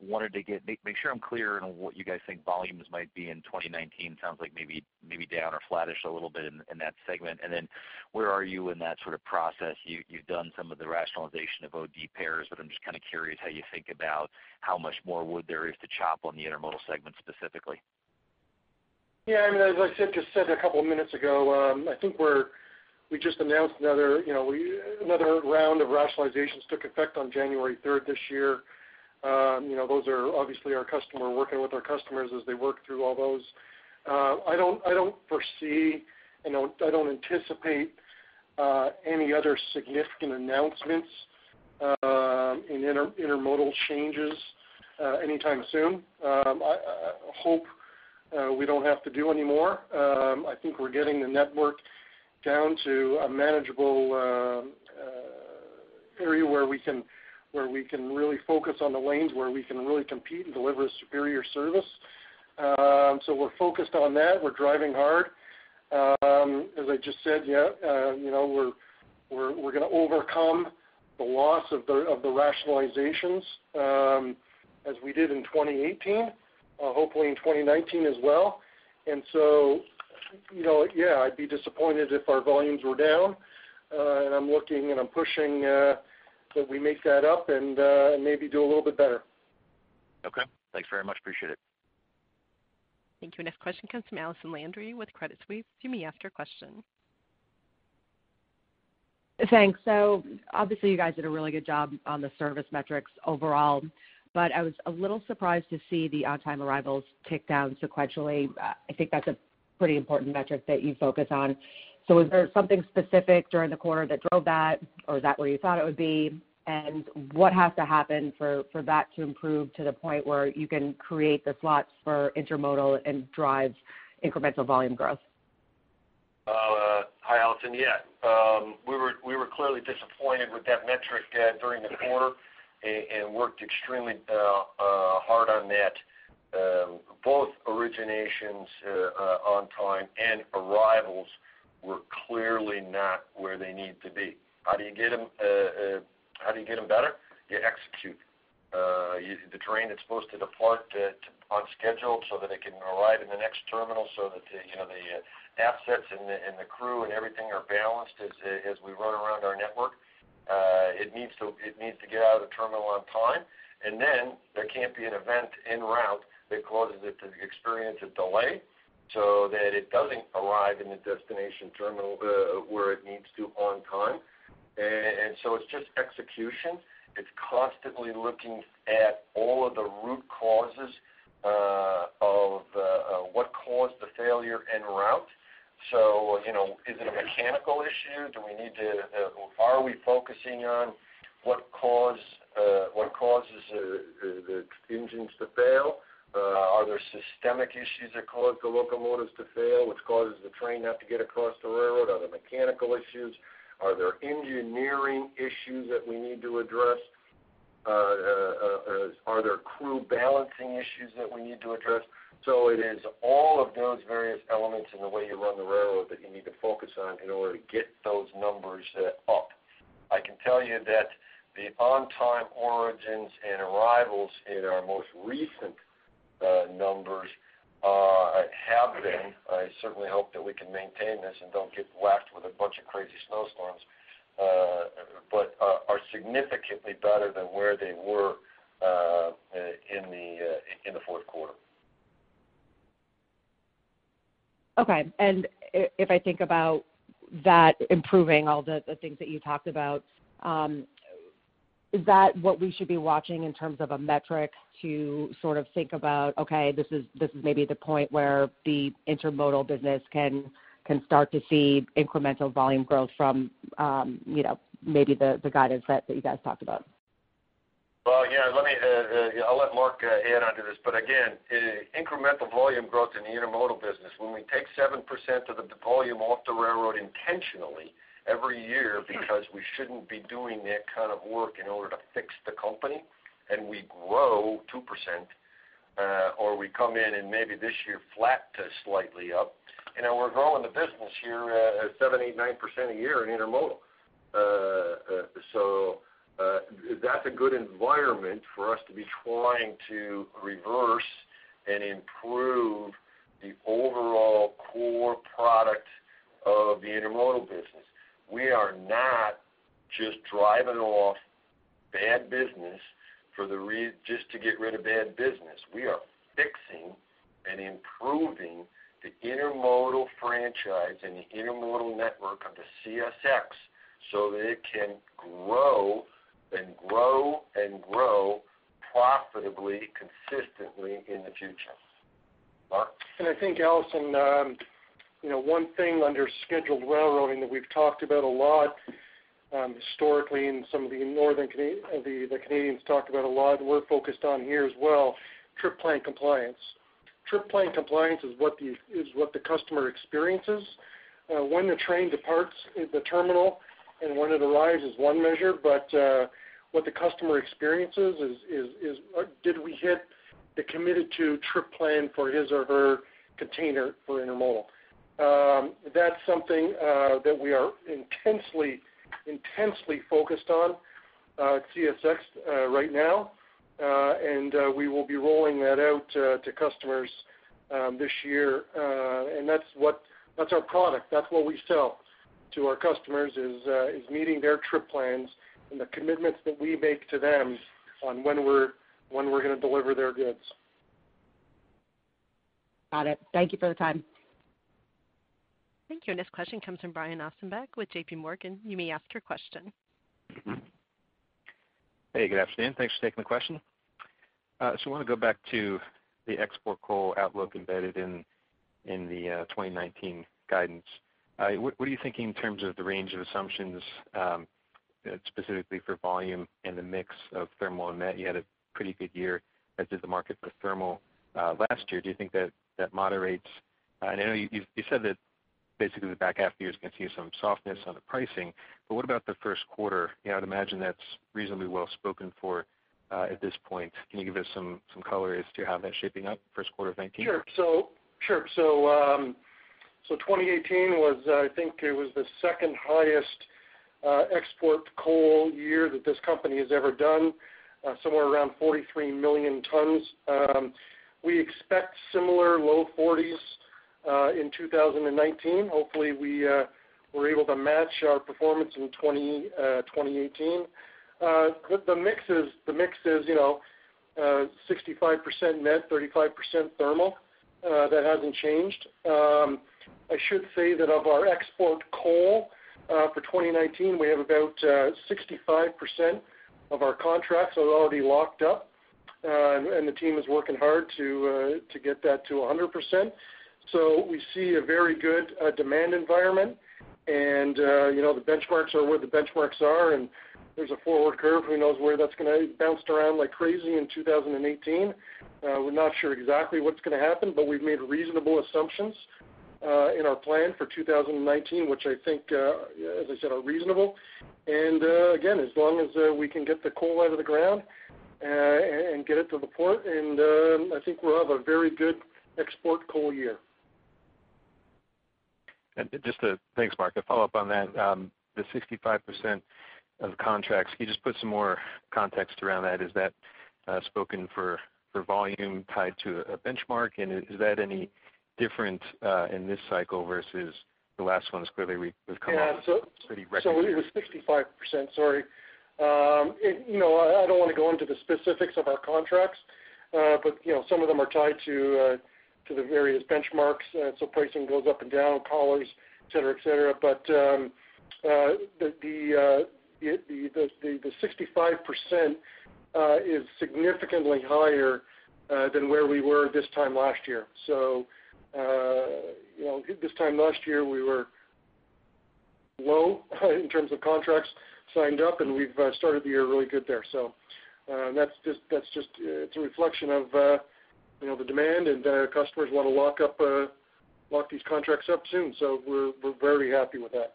Wanted to make sure I'm clear on what you guys think volumes might be in 2019. Sounds like maybe down or flattish a little bit in that segment. Then where are you in that sort of process? You've done some of the rationalization of OD pairs, but I'm just kind of curious how you think about how much more wood there is to chop on the Intermodal segment specifically. Yeah, as I just said a couple of minutes ago, I think we just announced another round of rationalizations took effect on January 3rd this year. Those are obviously working with our customers as they work through all those. I don't foresee, I don't anticipate any other significant announcements in Intermodal changes anytime soon. I hope we don't have to do any more. I think we're getting the network down to a manageable area where we can really focus on the lanes, where we can really compete and deliver superior service. We're focused on that. We're driving hard. As I just said, we're going to overcome the loss of the rationalizations, as we did in 2018, hopefully in 2019 as well. Yeah, I'd be disappointed if our volumes were down. I'm looking and I'm pushing that we make that up and maybe do a little bit better. Okay. Thanks very much. Appreciate it. Thank you. Next question comes from Allison Landry with Credit Suisse. You may ask your question. Thanks. Obviously you guys did a really good job on the service metrics overall, but I was a little surprised to see the on-time arrivals tick down sequentially. I think that's a pretty important metric that you focus on. Was there something specific during the quarter that drove that, or is that where you thought it would be? What has to happen for that to improve to the point where you can create the slots for Intermodal and drive incremental volume growth? Hi, Allison. Yeah. We were clearly disappointed with that metric during the quarter and worked extremely hard on that. Both originations on time and arrivals were clearly not where they need to be. How do you get them better? You execute. The train is supposed to depart on schedule so that it can arrive in the next terminal, so that the assets and the crew and everything are balanced as we run around our network. It needs to get out of the terminal on time, then there can't be an event en route that causes it to experience a delay so that it doesn't arrive in the destination terminal where it needs to on time. It's just execution. It's constantly looking at all of the root causes of what caused the failure en route. Is it a mechanical issue? Are we focusing on what causes the engines to fail? Are there systemic issues that cause the locomotives to fail, which causes the train not to get across the railroad? Are there mechanical issues? Are there engineering issues that we need to address? Are there crew balancing issues that we need to address? It is all of those various elements in the way you run the railroad that you need to focus on in order to get those numbers up. I can tell you that the on-time origins and arrivals in our most recent numbers have been, I certainly hope that we can maintain this and don't get whacked with a bunch of crazy snowstorms, but are significantly better than where they were in the fourth quarter. Okay, if I think about that improving all the things that you talked about, is that what we should be watching in terms of a metric to sort of think about, okay, this is maybe the point where the Intermodal business can start to see incremental volume growth from maybe the guidance that you guys talked about? Well, yeah, I'll let Mark add on to this. Again, incremental volume growth in the Intermodal business, when we take 7% of the volume off the railroad intentionally every year because we shouldn't be doing that kind of work in order to fix the company, and we grow 2%. We come in and maybe this year flat to slightly up. We're growing the business here at 7%, 8%, 9% a year in intermodal. That's a good environment for us to be trying to reverse and improve the overall core product of the intermodal business. We are not just driving off bad business just to get rid of bad business. We are fixing and improving the intermodal franchise and the intermodal network of the CSX so that it can grow and grow and grow profitably, consistently in the future. Mark? I think, Allison, one thing under scheduled railroading that we've talked about a lot historically, and some of the Canadians talked about a lot, we're focused on here as well, trip plan compliance. Trip plan compliance is what the customer experiences. When the train departs the terminal and when it arrives is one measure, but what the customer experiences is, did we hit the committed to trip plan for his or her container for intermodal? That's something that we are intensely focused on at CSX right now. We will be rolling that out to customers this year. That's our product. That's what we sell to our customers, is meeting their trip plans and the commitments that we make to them on when we're going to deliver their goods. Got it. Thank you for the time. Thank you. Our next question comes from Brian Ossenbeck with JPMorgan. You may ask your question. Hey, good afternoon. Thanks for taking the question. I want to go back to the export coal outlook embedded in the 2019 guidance. What are you thinking in terms of the range of assumptions, specifically for volume and the mix of thermal and met? You had a pretty good year as did the market for thermal last year. Do you think that that moderates? I know you said that basically the back half of the year is going to see some softness on the pricing. What about the first quarter? I'd imagine that's reasonably well spoken for at this point. Can you give us some color as to how that's shaping up, first quarter of 2019? Sure. 2018 was, I think it was the second highest export coal year that this company has ever done, somewhere around 43 million tons. We expect similar low 40s in 2019. Hopefully, we're able to match our performance in 2018. The mix is 65% met, 35% thermal. That hasn't changed. I should say that of our export coal for 2019, we have about 65% of our contracts are already locked up. The team is working hard to get that to 100%. We see a very good demand environment. The benchmarks are where the benchmarks are. There's a forward curve. Who knows where that's going to bounced around like crazy in 2018. We're not sure exactly what's going to happen. We've made reasonable assumptions in our plan for 2019, which I think, as I said, are reasonable. Again, as long as we can get the coal out of the ground and get it to the port, I think we'll have a very good export coal year. Thanks, Mark. To follow up on that, the 65% of contracts, can you just put some more context around that? Is that spoken for volume tied to a benchmark? Is that any different in this cycle versus the last one, as clearly we've come up with some pretty record numbers? It was 65%, sorry. I don't want to go into the specifics of our contracts, but some of them are tied to the various benchmarks, pricing goes up and down, collars, et cetera. The 65% is significantly higher than where we were this time last year. This time last year, we were low in terms of contracts signed up, and we've started the year really good there. It's a reflection of the demand and customers want to lock these contracts up soon. We're very happy with that.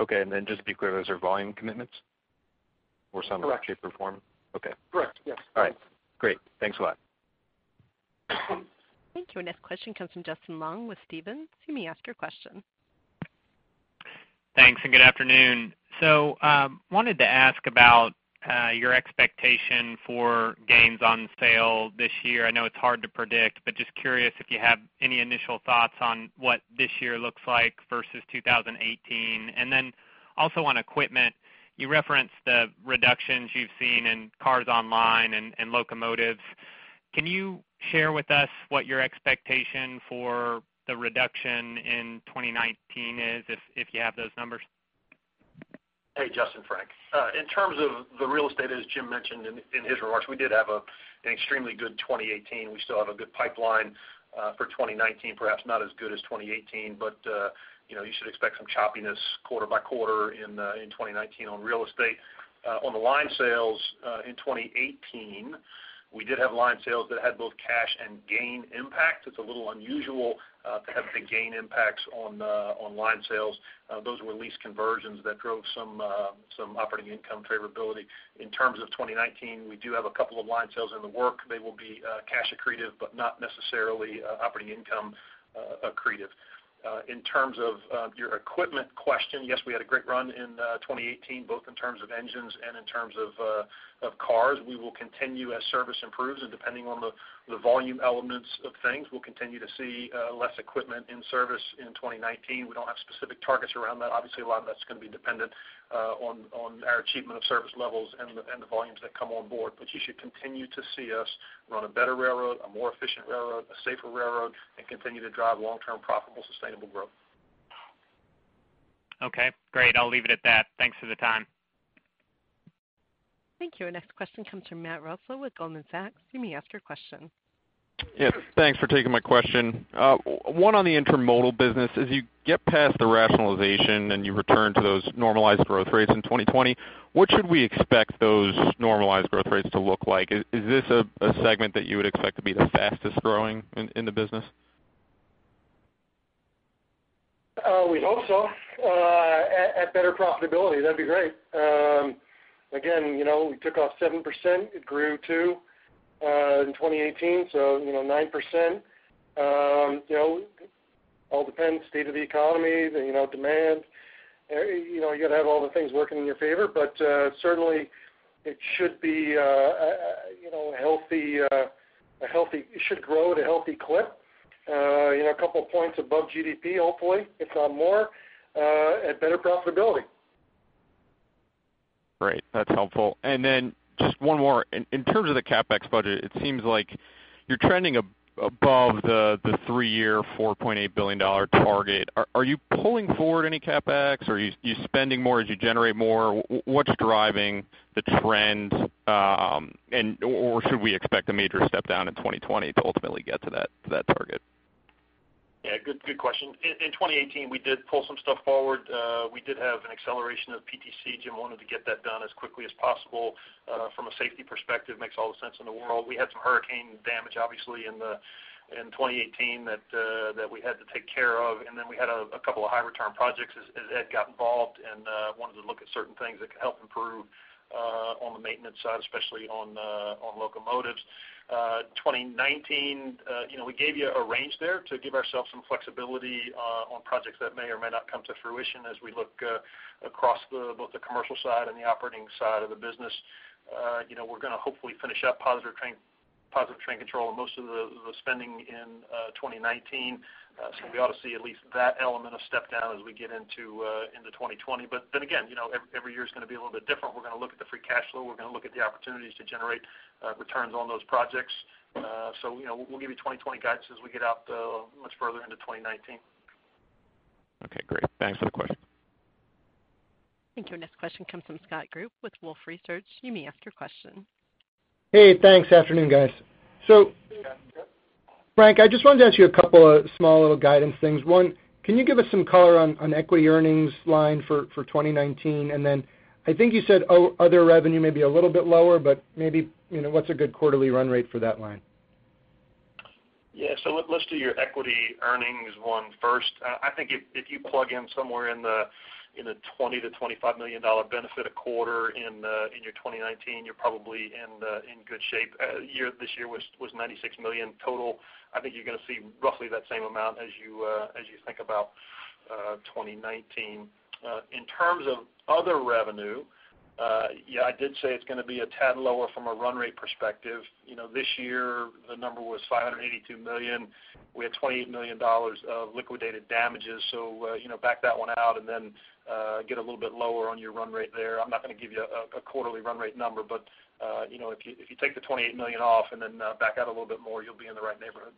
Okay, just to be clear, those are volume commitments or some are ship performed? Correct. Okay. Correct, yes. All right, great. Thanks a lot. Thank you. Our next question comes from Justin Long with Stephens. You may ask your question. Thanks, good afternoon. Wanted to ask about your expectation for gains on sale this year. I know it's hard to predict, but just curious if you have any initial thoughts on what this year looks like versus 2018. Also on equipment, you referenced the reductions you've seen in cars online and locomotives. Can you share with us what your expectation for the reduction in 2019 is, if you have those numbers? Hey, Justin, Frank. In terms of the real estate, as Jim mentioned in his remarks, we did have an extremely good 2018. We still have a good pipeline for 2019, perhaps not as good as 2018, but you should expect some choppiness quarter-by-quarter in 2019 on real estate. On the line sales in 2018, we did have line sales that had both cash and gain impact. It's a little unusual to have the gain impacts on line sales. Those were lease conversions that drove some operating income favorability. In terms of 2019, we do have a couple of line sales in the work. They will be cash accretive, but not necessarily operating income accretive. In terms of your equipment question, yes, we had a great run in 2018, both in terms of engines and in terms of cars. We will continue as service improves and depending on the volume elements of things, we will continue to see less equipment in service in 2019. We don't have specific targets around that. Obviously, a lot of that's going to be dependent on our achievement of service levels and the volumes that come on board. You should continue to see us run a better railroad, a more efficient railroad, a safer railroad, and continue to drive long-term profitable sustainable growth. Okay, great. I'll leave it at that. Thanks for the time. Thank you. Our next question comes from Matthew Reustle with Goldman Sachs. You may ask your question. Yes, thanks for taking my question. One on the intermodal business. As you get past the rationalization and you return to those normalized growth rates in 2020, what should we expect those normalized growth rates to look like? Is this a segment that you would expect to be the fastest-growing in the business? We hope so. At better profitability, that'd be great. Again, we took off 7%, it grew 2% in 2018, so 9%. All depends, state of the economy, the demand. You got to have all the things working in your favor, but certainly it should grow at a healthy clip. A couple of points above GDP, hopefully, if not more, at better profitability. Great. That's helpful. Just one more. In terms of the CapEx budget, it seems like you're trending above the three-year $4.8 billion target. Are you pulling forward any CapEx? Are you spending more as you generate more? What's driving the trend, or should we expect a major step down in 2020 to ultimately get to that target? Yeah, good question. In 2018, we did pull some stuff forward. We did have an acceleration of PTC. Jim wanted to get that done as quickly as possible. From a safety perspective, makes all the sense in the world. We had some hurricane damage, obviously, in 2018 that we had to take care of. We had a couple of high return projects as Ed got involved and wanted to look at certain things that could help improve on the maintenance side, especially on locomotives. 2019, we gave you a range there to give ourselves some flexibility on projects that may or may not come to fruition as we look across both the commercial side and the operating side of the business. We're going to hopefully finish up positive train control and most of the spending in 2019. We ought to see at least that element of step down as we get into 2020. Again, every year is going to be a little bit different. We're going to look at the free cash flow, we're going to look at the opportunities to generate returns on those projects. We'll give you 2020 guidance as we get out much further into 2019. Okay, great. Thanks for the question. Thank you. Our next question comes from Scott Group with Wolfe Research. You may ask your question. Hey, thanks. Afternoon, guys. Frank, I just wanted to ask you a couple of small little guidance things. One, can you give us some color on equity earnings line for 2019? And then I think you said other revenue may be a little bit lower, but maybe what's a good quarterly run rate for that line? Yeah. Let's do your equity earnings one first. I think if you plug in somewhere in the $20 million-$25 million benefit a quarter in your 2019, you're probably in good shape. This year was $96 million total. I think you're going to see roughly that same amount as you think about 2019. In terms of other revenue, yeah, I did say it's going to be a tad lower from a run rate perspective. This year, the number was $582 million. We had $28 million of liquidated damages, back that one out and then get a little bit lower on your run rate there. I'm not going to give you a quarterly run rate number, but if you take the $28 million off and then back out a little bit more, you'll be in the right neighborhood.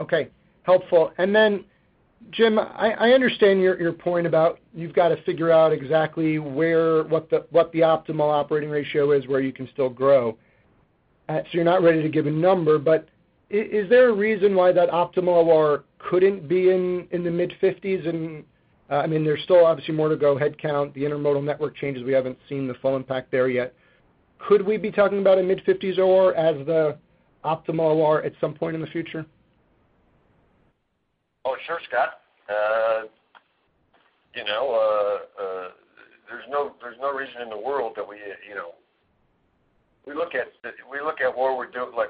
Okay. Helpful. Then, Jim, I understand your point about you've got to figure out exactly what the optimal operating ratio is where you can still grow. You're not ready to give a number, but is there a reason why that optimal OR couldn't be in the mid-50s? There's still obviously more to go, headcount, the intermodal network changes. We haven't seen the full impact there yet. Could we be talking about a mid-50s OR as the optimal OR at some point in the future? Scott. There's no reason in the world that we look at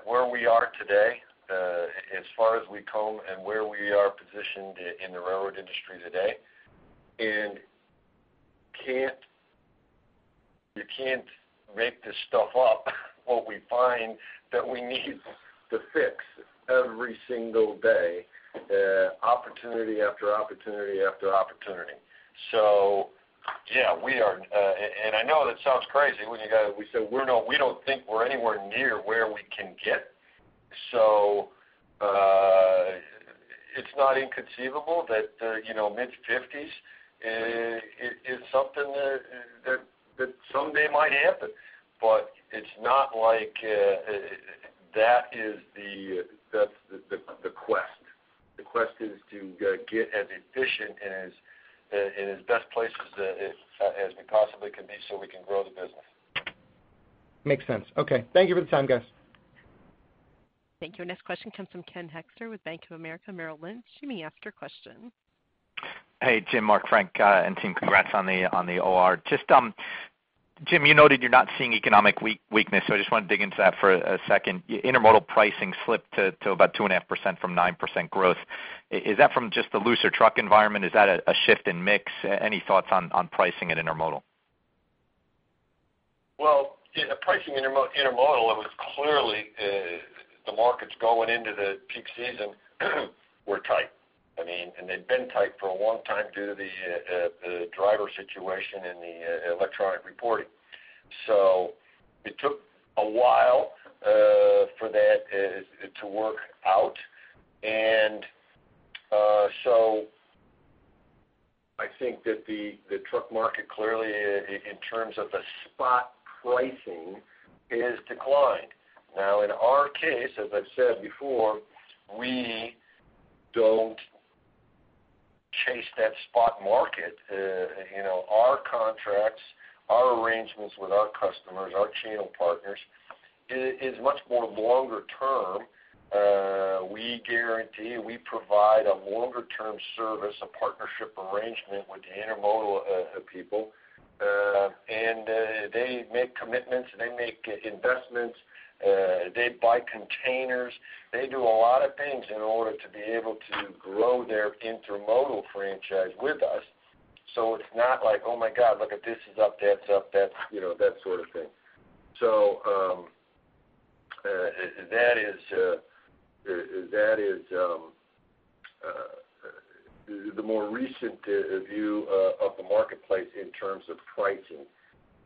where we are today, as far as we comb and where we are positioned in the railroad industry today, and you can't make this stuff up, what we find that we need to fix every single day, opportunity after opportunity after opportunity. Yeah, and I know that sounds crazy when we say we don't think we're anywhere near where we can get. It's not inconceivable that mid-50s is something that someday might happen. It's not like that's the quest. The quest is to get as efficient and in as best place as we possibly can be so we can grow the business. Makes sense. Okay. Thank you for the time, guys. Thank you. Our next question comes from Ken Hoexter with Bank of America Merrill Lynch. You may ask your question. Hey, Jim, Mark, Frank, and team, congrats on the OR. Jim, you noted you're not seeing economic weakness, I just want to dig into that for a second. Intermodal pricing slipped to about 2.5% from 9% growth. Is that from just the looser truck environment? Is that a shift in mix? Any thoughts on pricing at intermodal? Well, pricing intermodal, it was clearly the markets going into the peak season were tight. They'd been tight for a long time due to the driver situation and the electronic reporting. It took a while for that to work out. I think that the truck market clearly, in terms of the spot pricing, has declined. Now, in our case, as I've said before, we don't chase that spot market. Our contracts, our arrangements with our customers, our channel partners, is much more longer term. We guarantee we provide a longer-term service, a partnership arrangement with the intermodal people, and they make commitments, they make investments, they buy containers, they do a lot of things in order to be able to grow their intermodal franchise with us. It's not like, oh my God, look at this is up, that's up, that sort of thing. That is the more recent view of the marketplace in terms of pricing.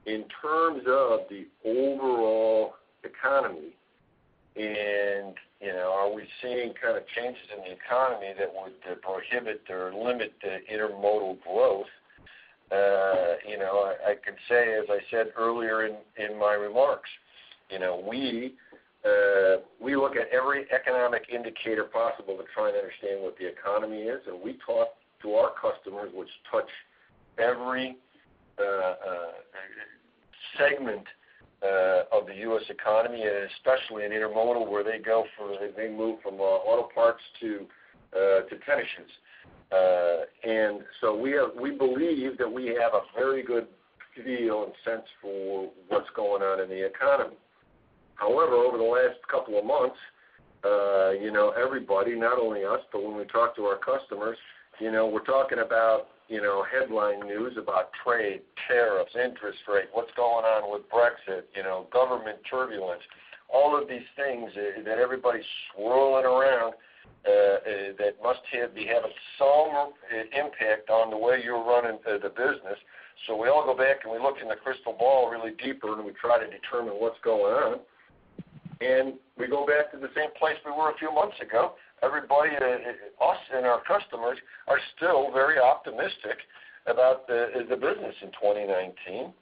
In terms of the overall economy and are we seeing changes in the economy that would prohibit or limit intermodal growth? I can say, as I said earlier in my remarks, we look at every economic indicator possible to try and understand what the economy is, and we talk to our customers, which touch every segment of the U.S. economy, and especially in intermodal, where they move from auto parts to tennis shoes. We believe that we have a very good feel and sense for what's going on in the economy. However, over the last couple of months, everybody, not only us, but when we talk to our customers, we're talking about headline news about trade, tariffs, interest rate, what's going on with Brexit, government turbulence, all of these things that everybody's swirling around that must be having some impact on the way you're running the business. We all go back, and we look in the crystal ball really deeper, and we try to determine what's going on. We go back to the same place we were a few months ago. Everybody, us and our customers, are still very optimistic about the business in 2019,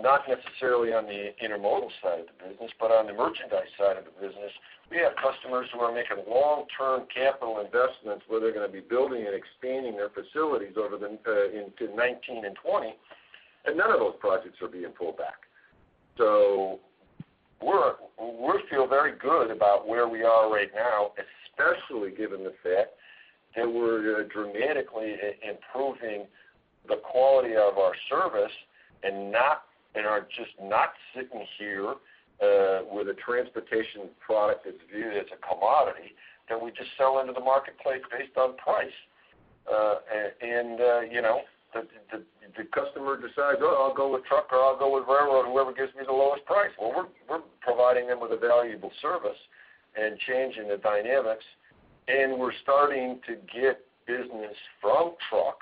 not necessarily on the intermodal side of the business, but on the merchandise side of the business, we have customers who are making long-term capital investments, where they're going to be building and expanding their facilities over into 2019 and 2020, none of those projects are being pulled back. We feel very good about where we are right now, especially given the fact that we're dramatically improving the quality of our service, are just not sitting here with a transportation product that's viewed as a commodity that we just sell into the marketplace based on price. The customer decides, oh, I'll go with truck, or, I'll go with railroad, whoever gives me the lowest price. Well, we're providing them with a valuable service and changing the dynamics. We're starting to get business from truck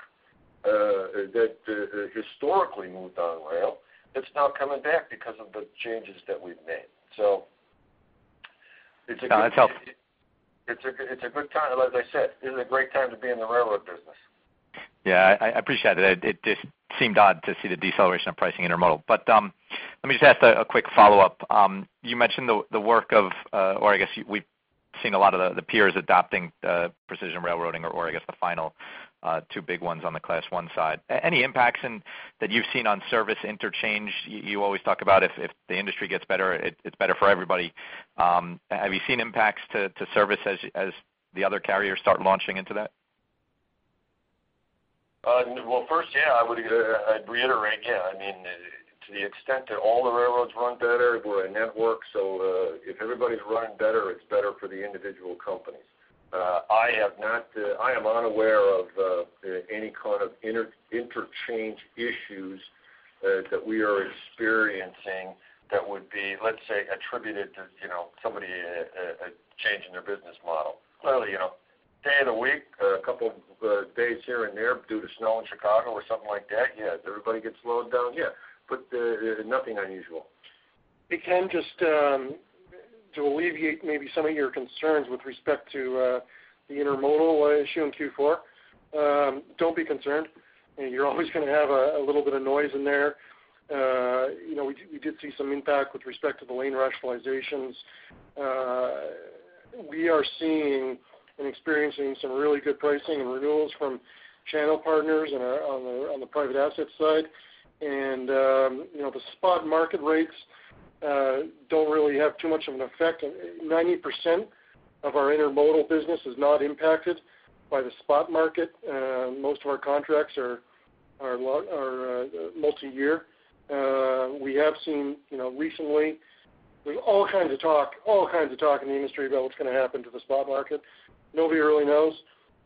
that historically moved on rail. That's now coming back because of the changes that we've made. It's a good- That's helpful. It's a good time. As I said, this is a great time to be in the railroad business. Yeah, I appreciate it. It just seemed odd to see the deceleration of pricing intermodal. Let me just ask a quick follow-up. You mentioned the work of, or I guess we've seen a lot of the peers adopting precision railroading or I guess the final two big ones on the Class I side. Any impacts that you've seen on service interchange? You always talk about if the industry gets better, it's better for everybody. Have you seen impacts to service as the other carriers start launching into that? First, I'd reiterate. To the extent that all the railroads run better, we're a network, so if everybody's running better, it's better for the individual companies. I am unaware of any kind of interchange issues that we are experiencing that would be, let's say, attributed to somebody changing their business model. Clearly, day of the week, a couple of days here and there due to snow in Chicago or something like that, everybody gets slowed down. Nothing unusual. Hey, Ken, just to alleviate maybe some of your concerns with respect to the intermodal issue in Q4, don't be concerned. You're always going to have a little bit of noise in there. We did see some impact with respect to the lane rationalizations. We are seeing and experiencing some really good pricing and renewals from channel partners on the private asset side. The spot market rates don't really have too much of an effect. 90% of our intermodal business is not impacted by the spot market. Most of our contracts are multi-year. We have seen recently, all kinds of talk in the industry about what's going to happen to the spot market. Nobody really knows.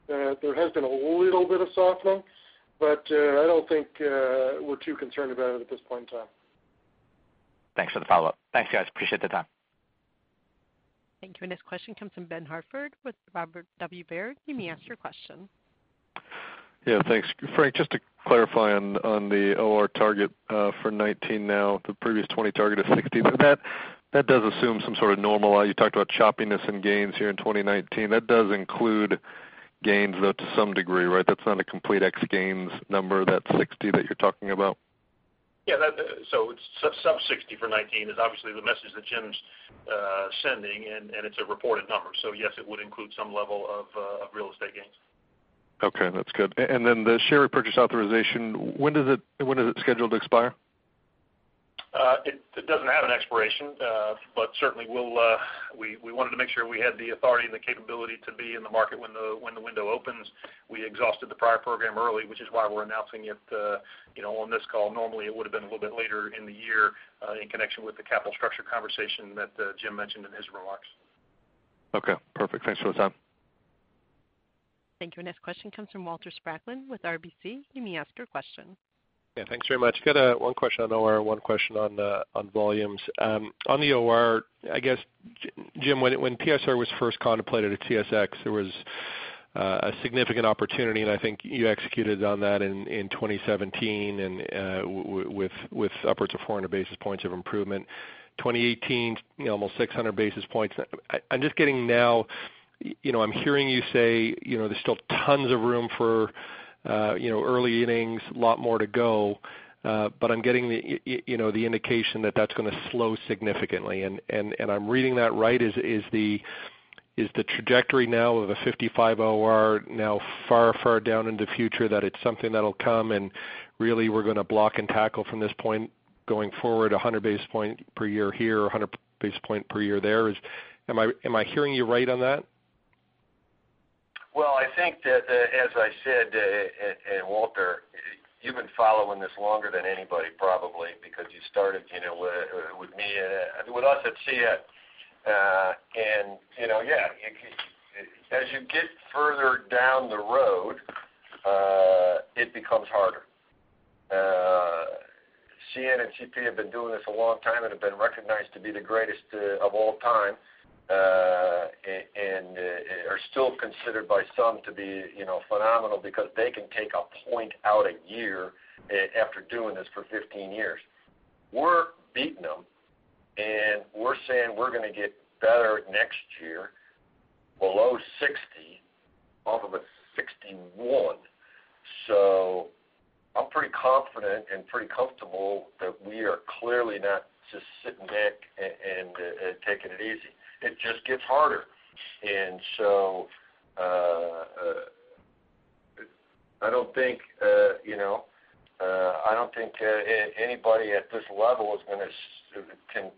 There has been a little bit of softening, I don't think we're too concerned about it at this point in time. Thanks for the follow-up. Thanks, guys. Appreciate the time. Thank you. Next question comes from Ben Hartford with Robert W. Baird. You may ask your question. Yeah, thanks. Frank, just to clarify on the OR target for 2019 now, the previous 2020 target is 60%. That does assume some sort of normalize. You talked about choppiness and gains here in 2019. That does include gains, though, to some degree, right? That's not a complete ex-gains number, that 60% that you are talking about. Yeah. It's sub 60% for 2019, is obviously the message that Jim's sending. It's a reported number. Yes, it would include some level of real estate gains. Okay, that's good. The share repurchase authorization, when is it scheduled to expire? It doesn't have an expiration, but certainly we wanted to make sure we had the authority and the capability to be in the market when the window opens. We exhausted the prior program early, which is why we're announcing it on this call. Normally, it would have been a little bit later in the year, in connection with the capital structure conversation that Jim mentioned in his remarks. Okay, perfect. Thanks for the time. Thank you. Next question comes from Walter Spracklin with RBC. You may ask your question. Yeah, thanks very much. Got one question on OR, one question on volumes. On the OR, I guess, Jim, when PSR was first contemplated at CSX, there was a significant opportunity. I think you executed on that in 2017 and with upwards of 400 basis points of improvement, 2018, almost 600 basis points. I'm just getting now, I'm hearing you say, there's still tons of room for early innings, a lot more to go, but I'm getting the indication that that's going to slow significantly. Am I reading that right? Is the trajectory now of a 55 OR now far, far down in the future that it'll come and really we're going to block and tackle from this point going forward 100 basis point per year here, 100 basis point per year there? Am I hearing you right on that? Well, I think that, as I said, and Walter, you've been following this longer than anybody, probably, because you started with me and with us at CSX. Yeah, as you get further down the road, it becomes harder. CN and CP have been doing this a long time and have been recognized to be the greatest of all time, and are still considered by some to be phenomenal because they can take a point out a year after doing this for 15 years. We're beating them, and we're saying we're going to get better next year, below 60 off of a 61. I'm pretty confident and pretty comfortable that we are clearly not just sitting back and taking it easy. It just gets harder. I don't think anybody at this level is going to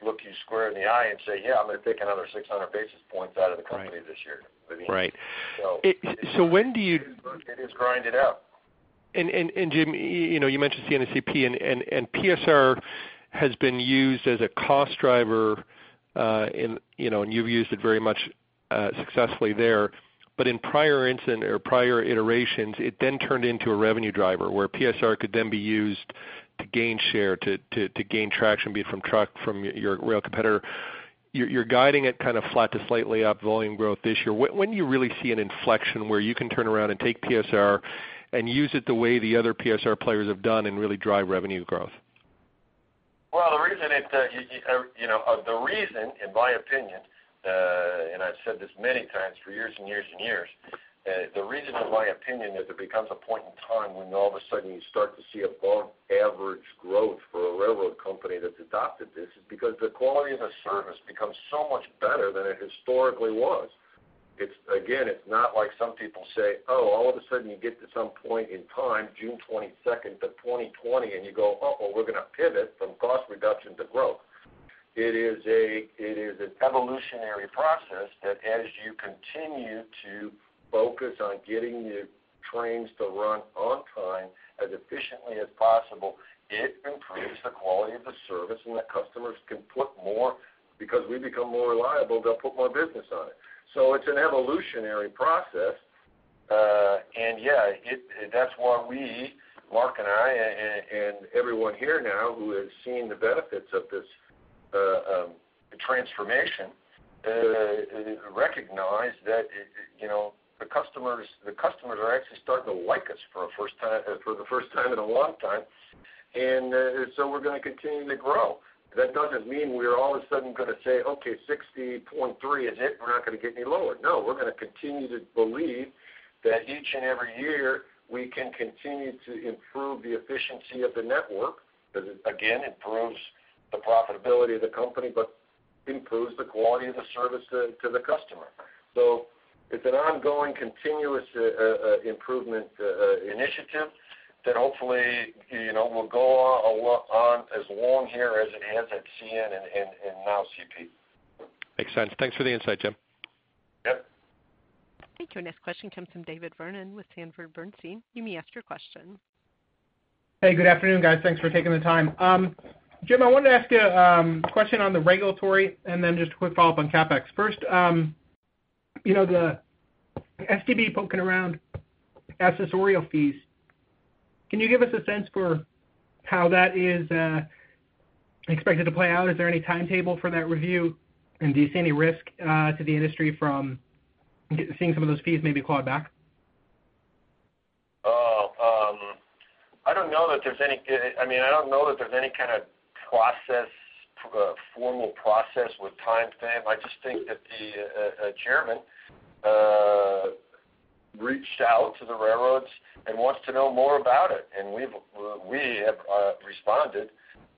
look you square in the eye and say, yeah, I'm going to take another 600 basis points out of the company this year. Right. It is grind it out. Jim, you mentioned CN and CP, and PSR has been used as a cost driver, and you've used it very much successfully there. In prior incident or prior iterations, it then turned into a revenue driver, where PSR could then be used to gain share, to gain traction, be it from truck, from your rail competitor. You're guiding it kind of flat to slightly up volume growth this year. When do you really see an inflection where you can turn around and take PSR and use it the way the other PSR players have done and really drive revenue growth? Well, the reason, in my opinion, I've said this many times for years and years and years, the reason in my opinion is it becomes a point in time when all of a sudden you start to see above average growth for a railroad company that's adopted this is because the quality of the service becomes so much better than it historically was. Again, it's not like some people say, oh, all of a sudden you get to some point in time, June 22nd, 2020, and you go, uh-oh, we're going to pivot from cost reduction to growth. It is an evolutionary process that as you continue to focus on getting your trains to run on time as efficiently as possible, it improves the quality of the service and the customers can put more, because we become more reliable, they'll put more business on it. It's an evolutionary process. Yeah, that's why we, Mark and I, and everyone here now who has seen the benefits of this transformation, recognize that the customers are actually starting to like us for the first time in a long time, we're going to continue to grow. That doesn't mean we are all of a sudden going to say, okay, 60.3 is it. We're not going to get any lower. We're going to continue to believe that each and every year we can continue to improve the efficiency of the network because, again, it improves the profitability of the company but improves the quality of the service to the customer. It's an ongoing continuous improvement initiative that hopefully will go on as long here as it has at CN and now CP. Makes sense. Thanks for the insight, Jim. Yep. Thank you. Our next question comes from David Vernon with Sanford Bernstein. You may ask your question. Hey, good afternoon, guys. Thanks for taking the time. Jim, I wanted to ask you a question on the regulatory and then just a quick follow-up on CapEx. First, the STB poking around accessorial fees. Can you give us a sense for how that is expected to play out? Is there any timetable for that review? Do you see any risk to the industry from seeing some of those fees maybe clawed back? I don't know that there's any kind of process, formal process with timeframe. I just think that the chairman reached out to the railroads and wants to know more about it. We have responded,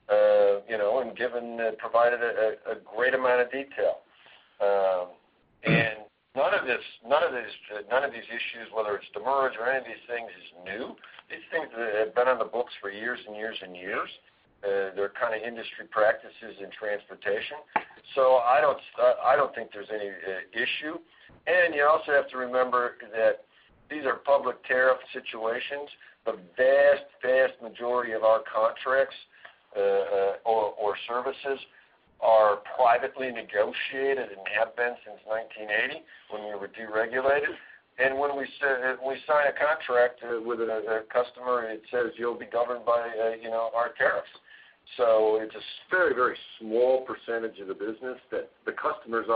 and provided a great amount of detail. None of these issues, whether it's demurrage or any of these things, is new. These things have been on the books for years and years and years. They're industry practices in transportation. I don't think there's any issue. You also have to remember that these are public tariff situations. The vast majority of our contracts or services are privately negotiated and have been since 1980 when we were deregulated. When we sign a contract with a customer, and it says you'll be governed by our tariffs. It's a very, very small percentage of the business that the customers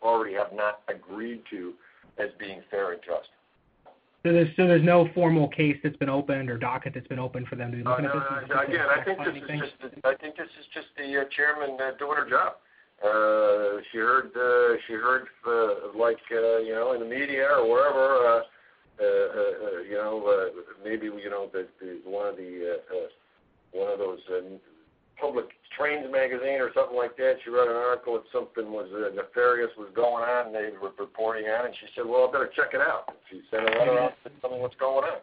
already have not agreed to as being fair and just. There's no formal case that's been opened or docket that's been opened for them to look into this? No. Again, I think this is just the chairman doing her job. She heard in the media or wherever, maybe one of those public trains magazine or something like that, she read an article that something nefarious was going on, they were reporting on, and she said, well, I better check it out. She sent a letter out saying, tell me what's going on.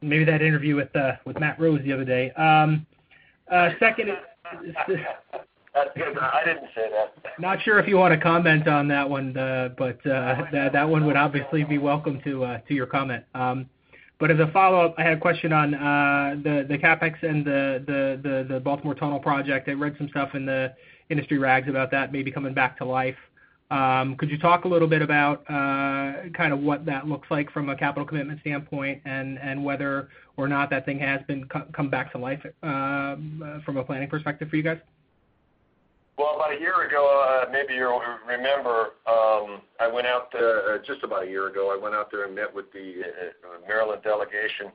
Maybe that interview with Matt Rose the other day. That's good. I didn't say that. Not sure if you want to comment on that one, that one would obviously be welcome to your comment. As a follow-up, I had a question on the CapEx and the Baltimore Tunnel Project. I read some stuff in the industry rags about that maybe coming back to life. Could you talk a little bit about what that looks like from a capital commitment standpoint and whether or not that thing has come back to life from a planning perspective for you guys? Well, about a year ago, maybe you'll remember, just about a year ago, I went out there and met with the Maryland delegation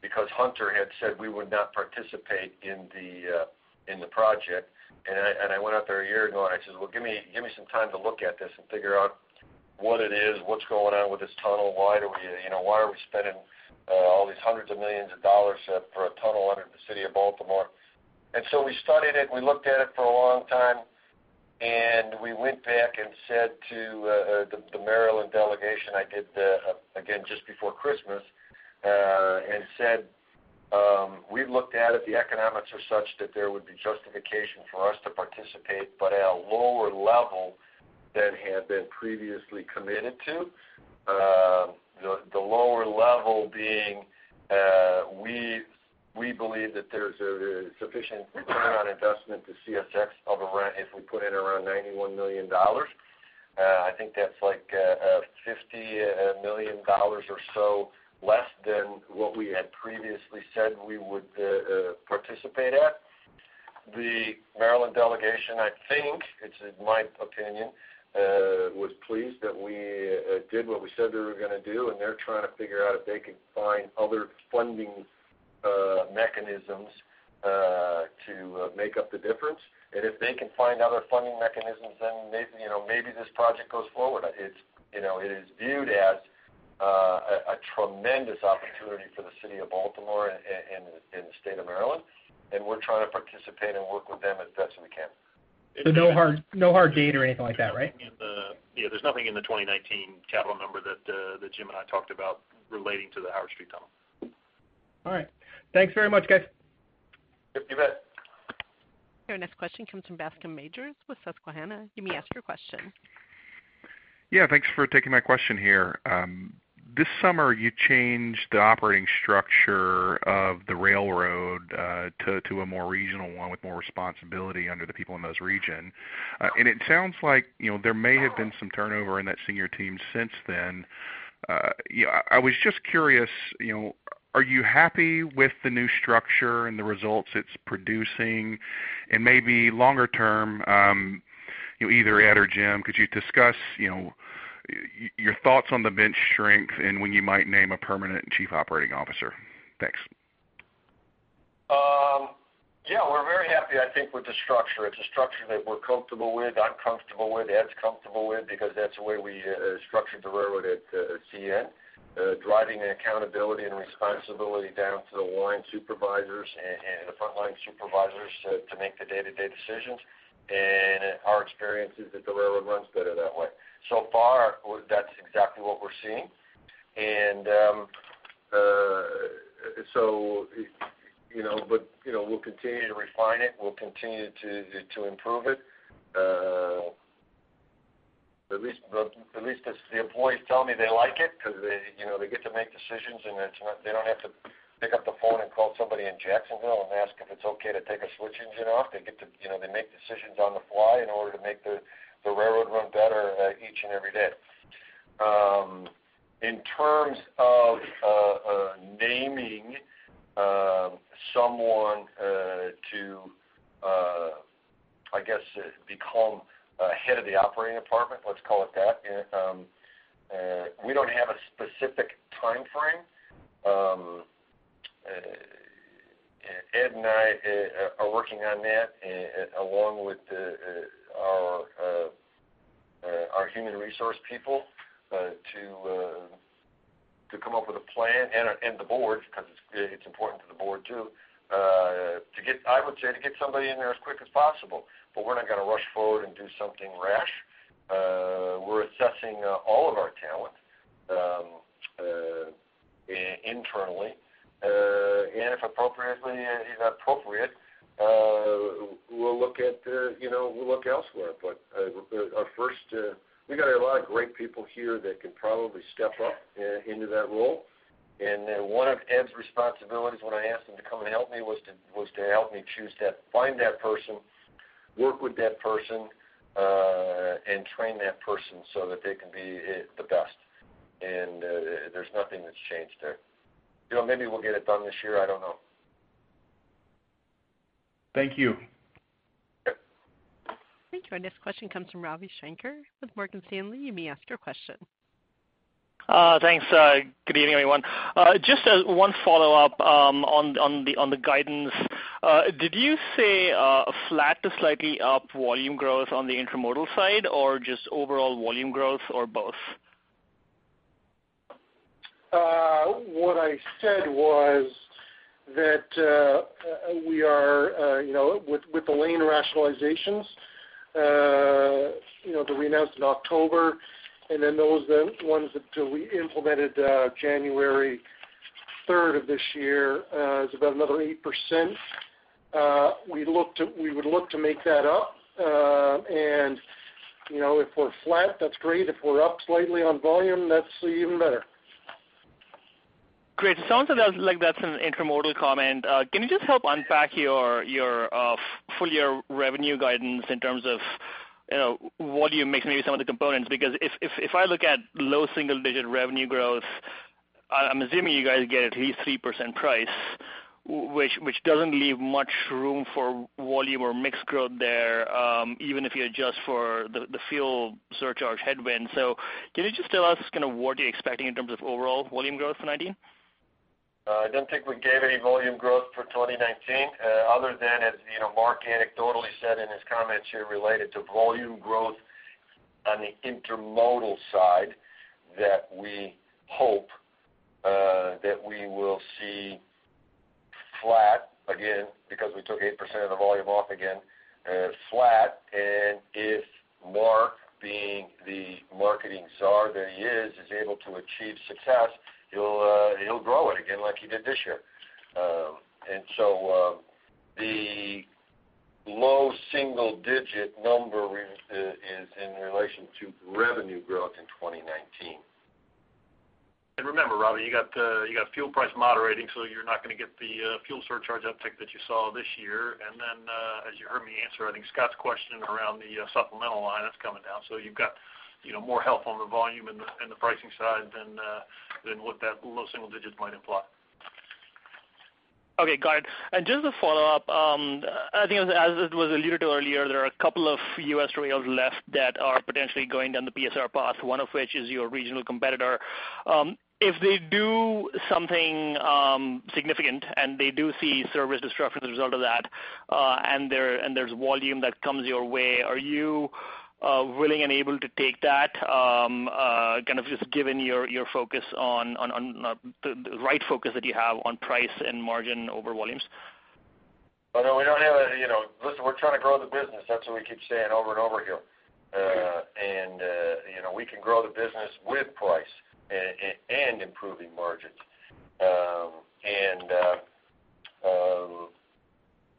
because Hunter had said we would not participate in the project. I went out there a year ago, and I says, well, give me some time to look at this and figure out what it is, what's going on with this tunnel. Why are we spending all these hundreds of millions of dollars for a tunnel under the city of Baltimore? We studied it. We looked at it for a long time, and we went back and said to the Maryland delegation, I did, again, just before Christmas, and said, we've looked at it. The economics are such that there would be justification for us to participate, but at a lower level than had been previously committed to. The lower level being, we believe that there's a sufficient return on investment to CSX if we put in around $91 million. I think that's like $50 million or so less than what we had previously said we would participate at. The Maryland delegation, I think, it's my opinion, was pleased that we did what we said we were going to do, and they're trying to figure out if they can find other funding mechanisms to make up the difference. If they can find other funding mechanisms, then maybe this project goes forward. It is viewed as a tremendous opportunity for the city of Baltimore and the state of Maryland, and we're trying to participate and work with them as best we can. No hard date or anything like that, right? Yeah, there's nothing in the 2019 capital number that Jim and I talked about relating to the Howard Street Tunnel. All right. Thanks very much, guys. You bet. Your next question comes from Bascome Majors with Susquehanna. You may ask your question. Thanks for taking my question here. This summer, you changed the operating structure of the railroad to a more regional one with more responsibility under the people in those region. It sounds like there may have been some turnover in that senior team since then. I was just curious, are you happy with the new structure and the results it's producing? Maybe longer term, you either Ed or Jim, could you discuss your thoughts on the bench strength and when you might name a permanent Chief Operating Officer? Thanks. Yeah, we're very happy, I think, with the structure. It's a structure that we're comfortable with, I'm comfortable with, Ed's comfortable with, because that's the way we structured the railroad at CN, driving the accountability and responsibility down to the line supervisors and the front-line supervisors to make the day-to-day decisions. Our experience is that the railroad runs better that way. So far, that's exactly what we're seeing. We'll continue to refine it, we'll continue to improve it. At least the employees tell me they like it because they get to make decisions, and they don't have to pick up the phone and call somebody in Jacksonville and ask if it's okay to take a switch engine off. They make decisions on the fly in order to make the railroad run better each and every day. In terms of naming someone to, I guess, become head of the operating department, let's call it that, we don't have a specific timeframe. Ed and I are working on that along with our human resource people to come up with a plan, and the board, because it's important to the board, too, I would say, to get somebody in there as quick as possible. We're not going to rush forward and do something rash. We're assessing all of our talent internally, if appropriately, it is appropriate, we'll look elsewhere. First, we got a lot of great people here that can probably step up into that role, and one of Ed's responsibilities when I asked him to come and help me was to help me find that person, work with that person, and train that person so that they can be the best. There's nothing that's changed there. Maybe we'll get it done this year, I don't know. Thank you. Yep. Great. Our next question comes from Ravi Shanker with Morgan Stanley. You may ask your question. Thanks. Good evening, everyone. Just one follow-up on the guidance. Did you say a flat to slightly up volume growth on the intermodal side, or just overall volume growth, or both? What I said was that with the lane rationalizations that we announced in October, then those ones that we implemented January 3rd of this year is about another 8%. We would look to make that up. If we're flat, that's great. If we're up slightly on volume, that's even better. Great. It sounds like that's an intermodal comment. Can you just help unpack your full-year revenue guidance in terms of volume mix, maybe some of the components? If I look at low single-digit revenue growth, I'm assuming you guys get at least 3% price, which doesn't leave much room for volume or mix growth there, even if you adjust for the fuel surcharge headwind. Can you just tell us what you're expecting in terms of overall volume growth for 2019? I don't think we gave any volume growth for 2019 other than, as Mark anecdotally said in his comments here related to volume growth on the intermodal side, that we hope that we will see flat again because we took 8% of the volume off again, flat, if Mark, being the marketing czar that he is able to achieve success, he'll grow it again like he did this year. The low single-digit number is in relation to revenue growth in 2019. Remember, Ravi, you got fuel price moderating, so you're not going to get the fuel surcharge uptick that you saw this year. As you heard me answer, I think Scott's question around the supplemental line, that's coming down. You've got more help on the volume and the pricing side than what that low single digits might imply. Okay, got it. Just to follow up, I think as it was alluded to earlier, there are a couple of U.S. rails left that are potentially going down the PSR path, one of which is your regional competitor. If they do something significant and they do see service disruption as a result of that, and there's volume that comes your way, are you willing and able to take that, just given your right focus that you have on price and margin over volumes? Well, listen, we're trying to grow the business. That's what we keep saying over and over here. We can grow the business with price and improving margins.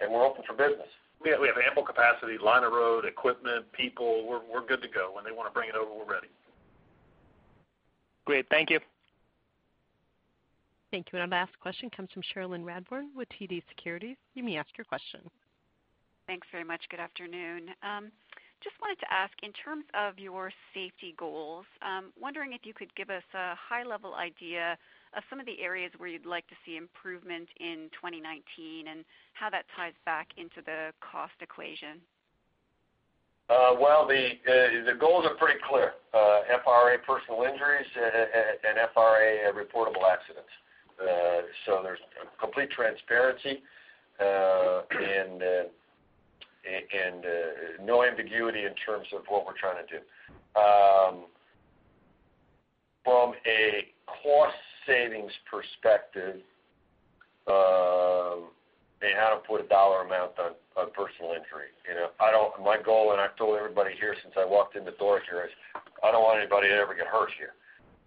We're open for business. We have ample capacity, line of road, equipment, people. We're good to go. When they want to bring it over, we're ready. Great. Thank you. Thank you. Our last question comes from Cherilyn Radbourne with TD Securities. You may ask your question. Thanks very much. Good afternoon. Just wanted to ask, in terms of your safety goals, I'm wondering if you could give us a high-level idea of some of the areas where you'd like to see improvement in 2019 and how that ties back into the cost equation. Well, the goals are pretty clear. FRA personal injuries and FRA reportable accidents. There's complete transparency and no ambiguity in terms of what we're trying to do. From a cost savings perspective, and how to put a dollar amount on personal injury. My goal, I've told everybody here since I walked in the door here, is I don't want anybody to ever get hurt here.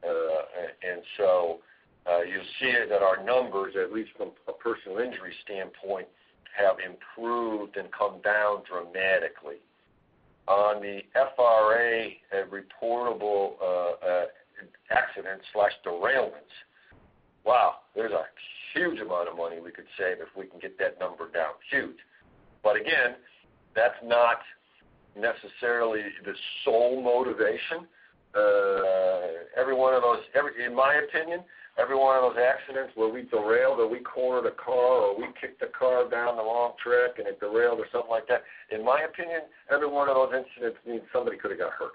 You'll see that our numbers, at least from a personal injury standpoint, have improved and come down dramatically. On the FRA reportable accident/derailments, wow, there's a huge amount of money we could save if we can get that number down. Huge. Again, that's not necessarily the sole motivation. In my opinion, every one of those accidents where we derail, that we cornered a car or we kicked a car down the wrong track and it derailed or something like that, in my opinion, every one of those incidents means somebody could have got hurt.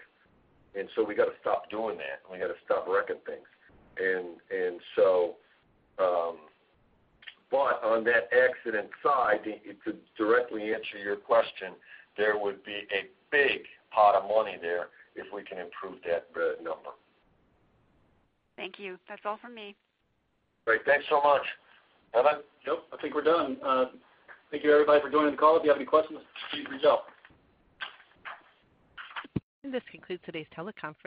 We got to stop doing that, and we got to stop wrecking things. On that accident side, to directly answer your question, there would be a big pot of money there if we can improve that number. Thank you. That's all from me. Great. Thanks so much. Kevin? Nope. I think we're done. Thank you everybody for joining the call. If you have any questions, please reach out. This concludes today's teleconference.